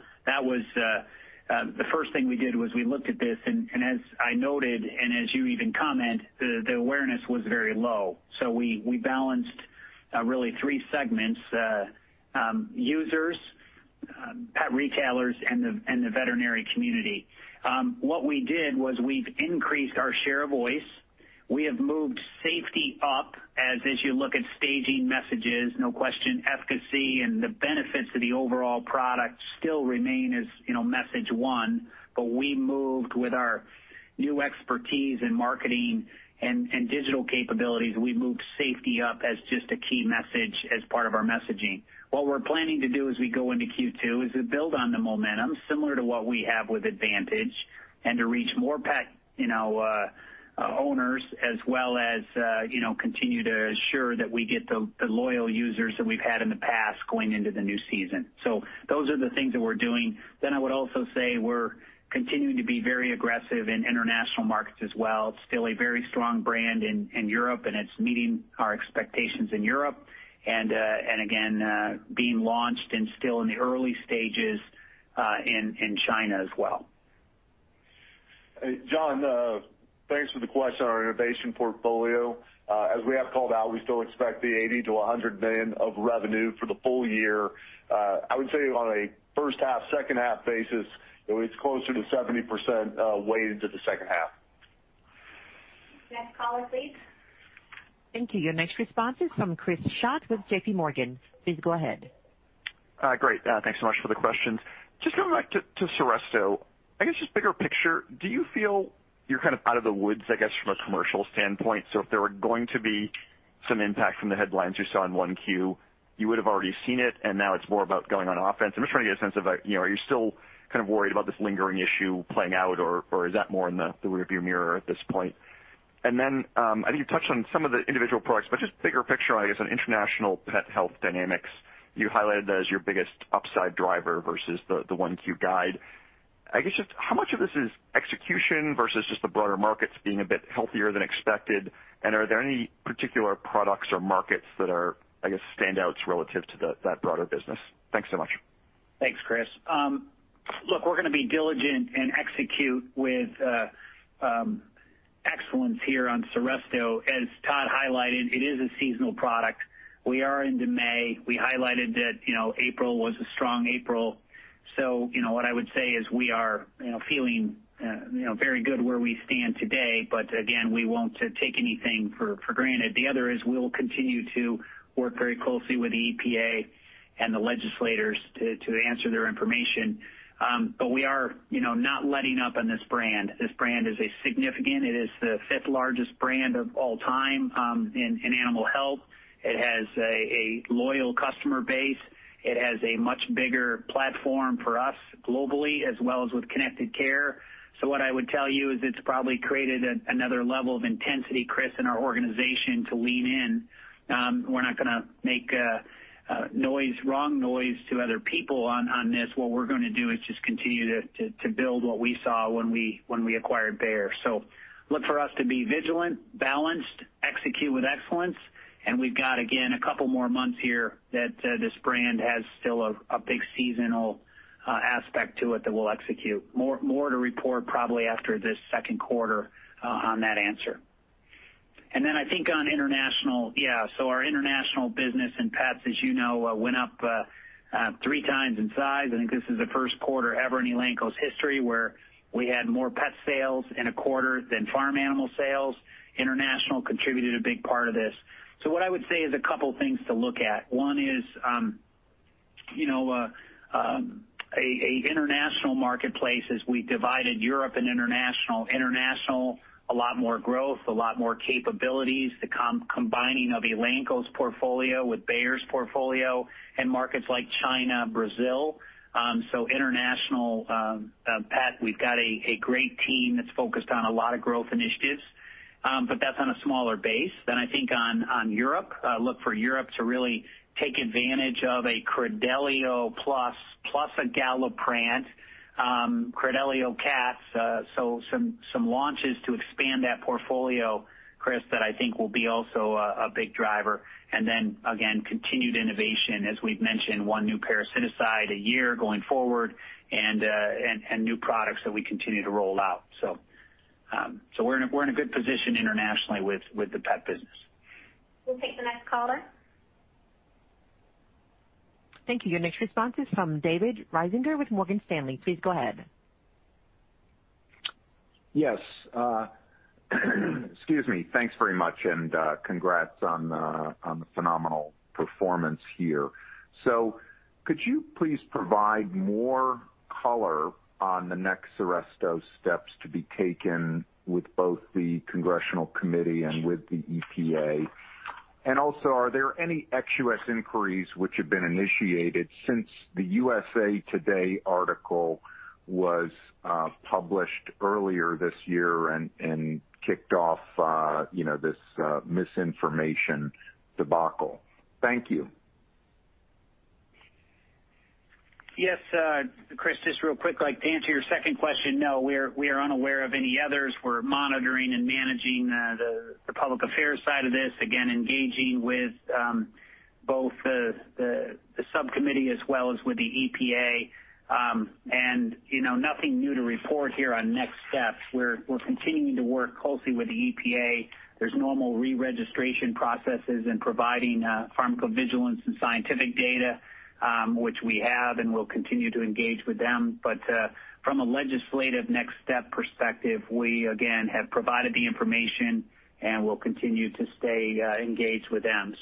first thing we did was we looked at this, and as I noted, and as you even comment, the awareness was very low. We balanced really three segments, users, pet retailers, and the veterinary community. What we did was we've increased our share of voice. We have moved safety up as you look at staging messages. No question, efficacy and the benefits of the overall product still remain as message one, but we moved with our new expertise in marketing and digital capabilities. We moved safety up as just a key message as part of our messaging. What we're planning to do as we go into Q2 is to build on the momentum similar to what we have with Advantage and to reach more pet owners as well as continue to assure that we get the loyal users that we've had in the past going into the new season. Those are the things that we're doing. I would also say we're continuing to be very aggressive in international markets as well. Still a very strong brand in Europe, and it's meeting our expectations in Europe and, again, being launched and still in the early stages in China as well. Jon, thanks for the question on our innovation portfolio. As we have called out, we still expect the $80 million-$100 million of revenue for the full year. I would say on a first half, second half basis, it's closer to 70% weighted to the second half. Next caller, please. Thank you. Your next response is from Chris Schott with JPMorgan. Please go ahead. Great. Thanks so much for the questions. Just going back to Seresto, I guess just bigger picture, do you feel you're kind of out of the woods, I guess, from a commercial standpoint? If there were going to be some impact from the headlines you saw in 1Q, you would have already seen it and now it's more about going on offense. I'm just trying to get a sense of are you still kind of worried about this lingering issue playing out, or is that more in the rear view mirror at this point? And then I think you touched on some of the individual products, but just bigger picture, I guess, on international pet health dynamics, you highlighted that as your biggest upside driver versus the 1Q guide. I guess, just how much of this is execution versus just the broader markets being a bit healthier than expected? Are there any particular products or markets that are, I guess, standouts relative to that broader business? Thanks so much. Thanks, Chris. Look, we're going to be diligent and execute with excellence here on Seresto. As Todd highlighted, it is a seasonal product. We are into May. We highlighted that April was a strong April. What I would say is we are feeling very good where we stand today. Again, we won't take anything for granted. The other is we will continue to work very closely with the EPA and the legislators to answer their information. We are not letting up on this brand. This brand is significant. It is the fifth largest brand of all time in animal health. It has a loyal customer base. It has a much bigger platform for us globally as well as with Connected Care. What I would tell you is it's probably created another level of intensity, Chris, in our organization to lean in. We're not going to make wrong noise to other people on this. What we're going to do is just continue to build what we saw when we acquired Bayer. Look for us to be vigilant, balanced, execute with excellence, and we've got, again, a couple more months here that this brand has still a big seasonal aspect to it that we'll execute. More to report probably after this second quarter on that answer. Then I think on international, yeah. Our international business in pets, as you know, went up 3x in size. I think this is the first quarter ever in Elanco's history where we had more pet sales in a quarter than farm animal sales. International contributed a big part of this. What I would say is a couple things to look at. One is, a international marketplace as we divided Europe and international. International, a lot more growth, a lot more capabilities, the combining of Elanco's portfolio with Bayer's portfolio in markets like China, Brazil. International pet, we've got a great team that's focused on a lot of growth initiatives. That's on a smaller base than I think on Europe. Look for Europe to really take advantage of a Credelio Plus a Galliprant, Credelio Cat. Some launches to expand that portfolio, Chris, that I think will be also a big driver. Again, continued innovation, as we've mentioned, one new parasiticide a year going forward and new products that we continue to roll out. We're in a good position internationally with the pet business. We'll take the next caller. Thank you. Your next response is from David Risinger with Morgan Stanley. Please go ahead. Yes. Excuse me. Thanks very much. Congrats on the phenomenal performance here. Could you please provide more color on the next Seresto steps to be taken with both the congressional committee and with the EPA? Also, are there any ex US inquiries which have been initiated since the USA Today article was published earlier this year and kicked off this misinformation debacle? Thank you. Yes. David, just real quick, to answer your second question, no, we are unaware of any others. We're monitoring and managing the public affairs side of this, again, engaging with both the subcommittee as well as with the EPA. Nothing new to report here on next steps. We're continuing to work closely with the EPA. There's normal re-registration processes and providing pharmacovigilance and scientific data, which we have, and we'll continue to engage with them. From a legislative next step perspective, we again, have provided the information and will continue to stay engaged with them.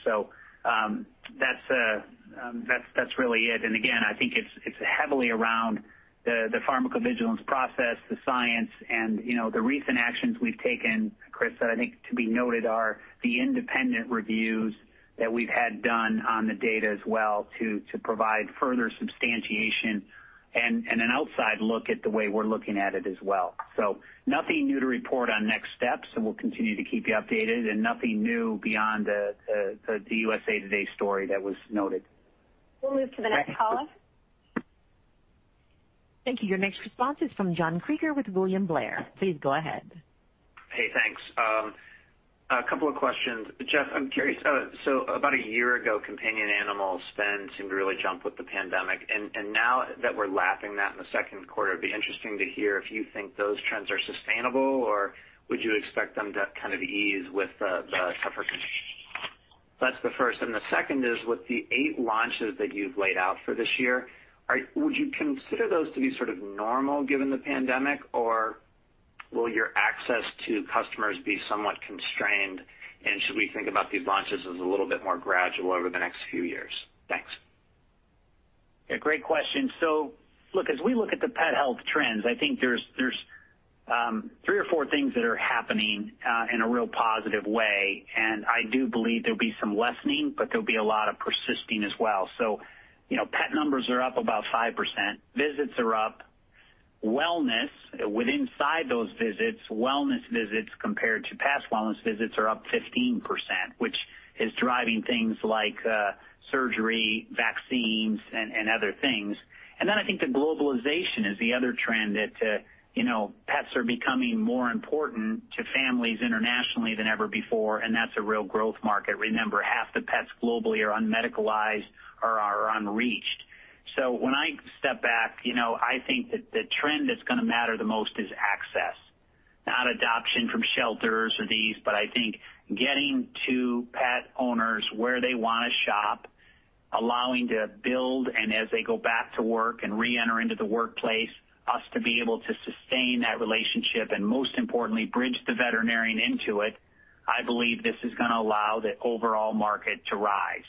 That's really it. Again, I think it's heavily around the pharmacovigilance process, the science, and the recent actions we've taken, David, that I think to be noted are the independent reviews that we've had done on the data as well to provide further substantiation and an outside look at the way we're looking at it as well. Nothing new to report on next steps, and we'll continue to keep you updated and nothing new beyond the USA Today story that was noted. We'll move to the next caller. Thank you. Your next response is from John Kreger with William Blair. Please go ahead. Hey, thanks. A couple of questions. Jeff, I'm curious. About a year ago, companion animal spend seemed to really jump with the pandemic. Now that we're lapping that in the second quarter, it'd be interesting to hear if you think those trends are sustainable or would you expect them to kind of ease with the? [inaudible] That's the first. The second is, with the eight launches that you've laid out for this year, would you consider those to be sort of normal given the pandemic, or will your access to customers be somewhat constrained? Should we think about these launches as a little bit more gradual over the next few years? Thanks. Yeah, great question. Look, as we look at the pet health trends, I think there's three or four things that are happening in a real positive way, and I do believe there'll be some lessening, but there'll be a lot of persisting as well. Pet numbers are up about 5%. Visits are up. Within inside those visits, wellness visits compared to past wellness visits are up 15%, which is driving things like surgery, vaccines, and other things. I think the globalization is the other trend that pets are becoming more important to families internationally than ever before, and that's a real growth market. Remember, half the pets globally are unmedicalized or are unreached. When I step back, I think that the trend that's going to matter the most is access. Not adoption from shelters or these, I think getting to pet owners where they want to shop, allowing to build, and as they go back to work and reenter into the workplace, us to be able to sustain that relationship, and most importantly, bridge the veterinarian into it, I believe this is going to allow the overall market to rise.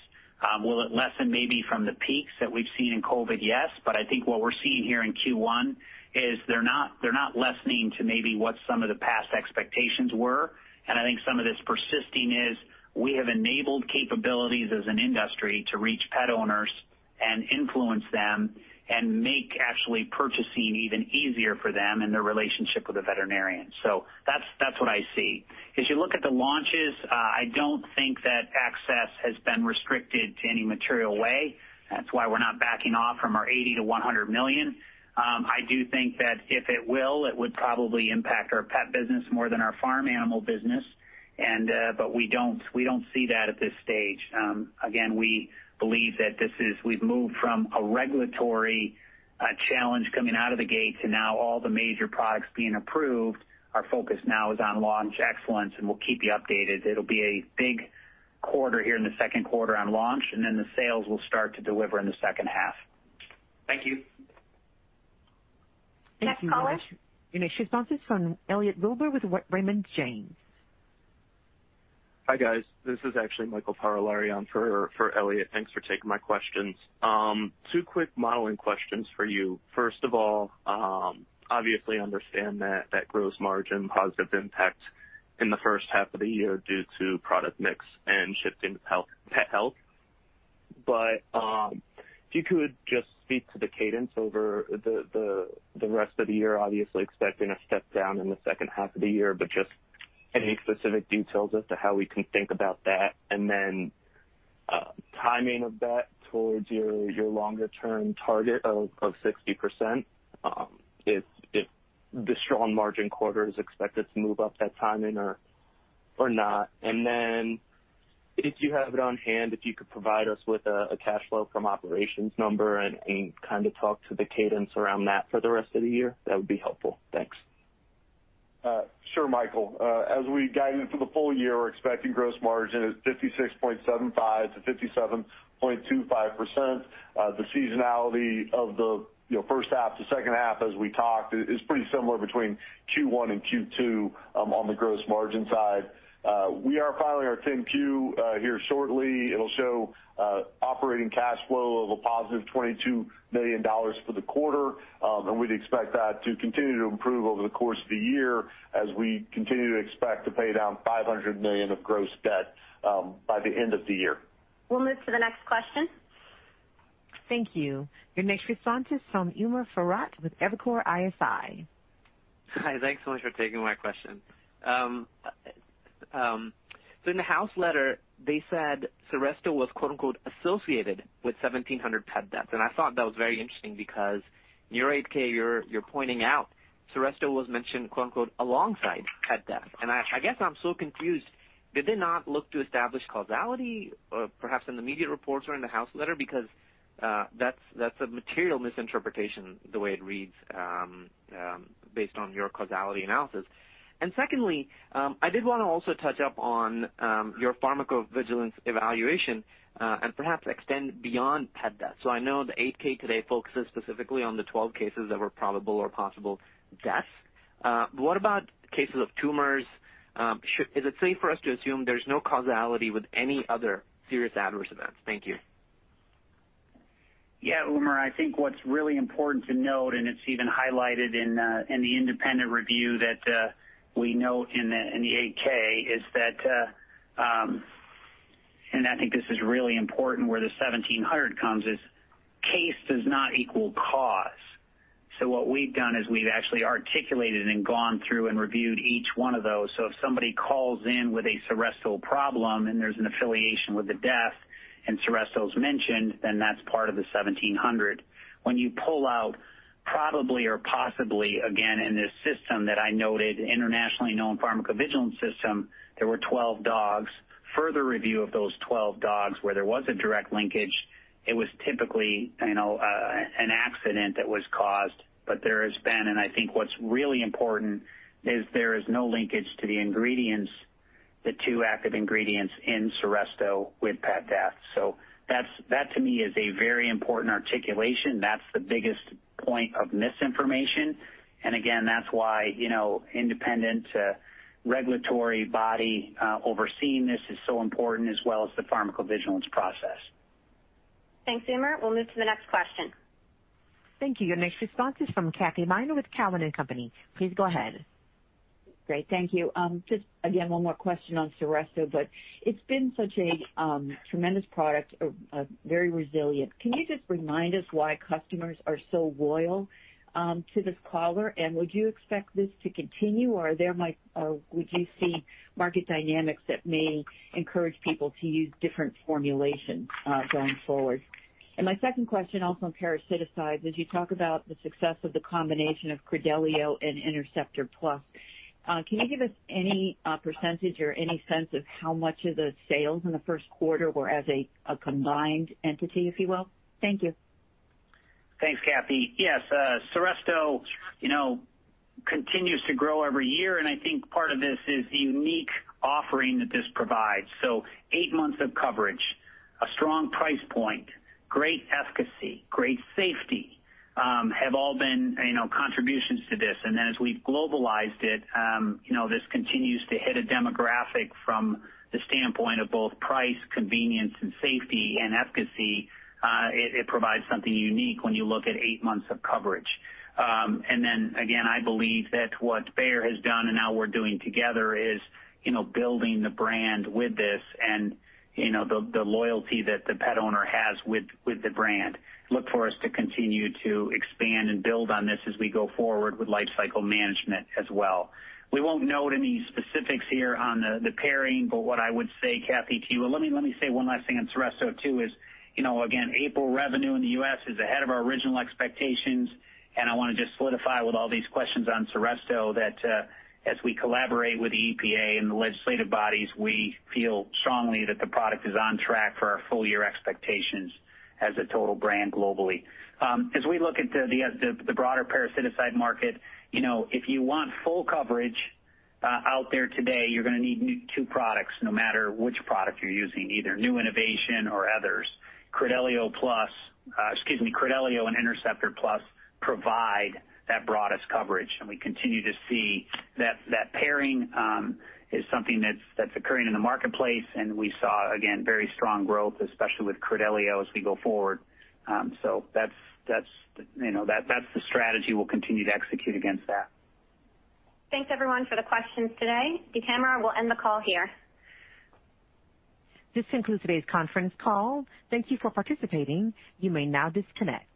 Will it lessen maybe from the peaks that we've seen in COVID? Yes. I think what we're seeing here in Q1 is they're not lessening to maybe what some of the past expectations were. I think some of this persisting is we have enabled capabilities as an industry to reach pet owners and influence them and make actually purchasing even easier for them and their relationship with the veterinarian. That's what I see. As you look at the launches, I don't think that access has been restricted to any material way. That's why we're not backing off from our $80 million-$100 million. I do think that if it will, it would probably impact our pet business more than our farm animal business. We don't see that at this stage. Again, we believe that we've moved from a regulatory challenge coming out of the gate to now all the major products being approved. Our focus now is on launch excellence, and we'll keep you updated. It will be I think quarter here in the second quarter on launch, and then the sales will start to deliver in the second half. Thank you. Thank you very much. Your next response is from Elliot Wilbur with Raymond James. Hi, guys. This is actually Michael Parolari on for Elliot. Thanks for taking my questions. Two quick modeling questions for you. First of all, obviously understand that gross margin positive impact in the first half of the year due to product mix and shifting to pet health. If you could just speak to the cadence over the rest of the year, obviously expecting a step down in the second half of the year, but just any specific details as to how we can think about that. Timing of that towards your longer-term target of 60%, if the strong margin quarter is expected to move up that timing or not. And then if you have it on hand, if you could provide us with a cash flow from operations number and kind of talk to the cadence around that for the rest of the year, that would be helpful. Thanks. Sure, Michael. As we guided for the full year, we're expecting gross margin at 56.75%-57.25%. The seasonality of the first half to second half, as we talked, is pretty similar between Q1 and Q2 on the gross margin side. We are filing our 10-Q here shortly. It'll show operating cash flow of a +$22 million for the quarter. We'd expect that to continue to improve over the course of the year, as we continue to expect to pay down $500 million of gross debt by the end of the year. We'll move to the next question. Thank you. Your next response is from Umer Raffat with Evercore ISI. Hi. Thanks so much for taking my question. In the House letter, they said Seresto was "associated with 1,700 pet deaths." I thought that was very interesting because in your 8-K, you're pointing out Seresto was mentioned "alongside pet deaths." I guess I'm still confused. Did they not look to establish causality, perhaps in the media reports or in the House letter? That's a material misinterpretation the way it reads based on your causality analysis. Secondly, I did want to also touch up on your pharmacovigilance evaluation and perhaps extend beyond pet deaths. I know the 8-K today focuses specifically on the 12 cases that were probable or possible deaths. What about cases of tumors? Is it safe for us to assume there's no causality with any other serious adverse events? Thank you. Yeah, Umer, I think what's really important to note, and it's even highlighted in the independent review that we note in the 8-K, and I think this is really important where the 1,700 comes, is case does not equal cause. What we've done is we've actually articulated and gone through and reviewed each one of those. If somebody calls in with a Seresto problem and there's an affiliation with the death and Seresto's mentioned, then that's part of the 1,700. When you pull out probably or possibly, again, in this system that I noted, internationally known pharmacovigilance system, there were 12 dogs. Further review of those 12 dogs where there was a direct linkage, it was typically an accident that was caused. I think what's really important is there is no linkage to the two active ingredients in Seresto with pet deaths. That to me is a very important articulation. That's the biggest point of misinformation. Again, that's why independent regulatory body overseeing this is so important, as well as the pharmacovigilance process. Thanks, Umer. We'll move to the next question. Thank you. Your next response is from Kathy Miner with Cowen and Company. Please go ahead. Great. Thank you. Just again, one more question on Seresto. It's been such a tremendous product, very resilient. Can you just remind us why customers are so loyal to this collar? Would you expect this to continue, or would you see market dynamics that may encourage people to use different formulations going forward? My second question, also on parasiticides, as you talk about the success of the combination of Credelio and Interceptor Plus, can you give us any percentage or any sense of how much of the sales in the first quarter were as a combined entity, if you will? Thank you. Thanks, Kathy. Yes, Seresto continues to grow every year. I think part of this is the unique offering that this provides. Eight months of coverage, a strong price point, great efficacy, great safety have all been contributions to this. As we've globalized it, this continues to hit a demographic from the standpoint of both price, convenience, and safety and efficacy. It provides something unique when you look at eight months of coverage. Again, I believe that what Bayer has done and now we're doing together is building the brand with this and the loyalty that the pet owner has with the brand. Look for us to continue to expand and build on this as we go forward with life cycle management as well. We won't note any specifics here on the pairing, but what I would say, Kathy. Well, let me say one last thing on Seresto, too is, again, April revenue in the U.S. is ahead of our original expectations. I want to just solidify with all these questions on Seresto that as we collaborate with the EPA and the legislative bodies, we feel strongly that the product is on track for our full-year expectations as a total brand globally. As we look at the broader parasiticide market, if you want full coverage out there today, you're going to need two products, no matter which product you're using, either new innovation or others. Credelio and Interceptor Plus provide that broadest coverage. We continue to see that pairing is something that's occurring in the marketplace. And we saw, again, very strong growth, especially with Credelio, as we go forward. That's the strategy we'll continue to execute against that. Thanks, everyone, for the questions today. Tamara, we'll end the call here. This concludes today's conference call. Thank you for participating. You may now disconnect.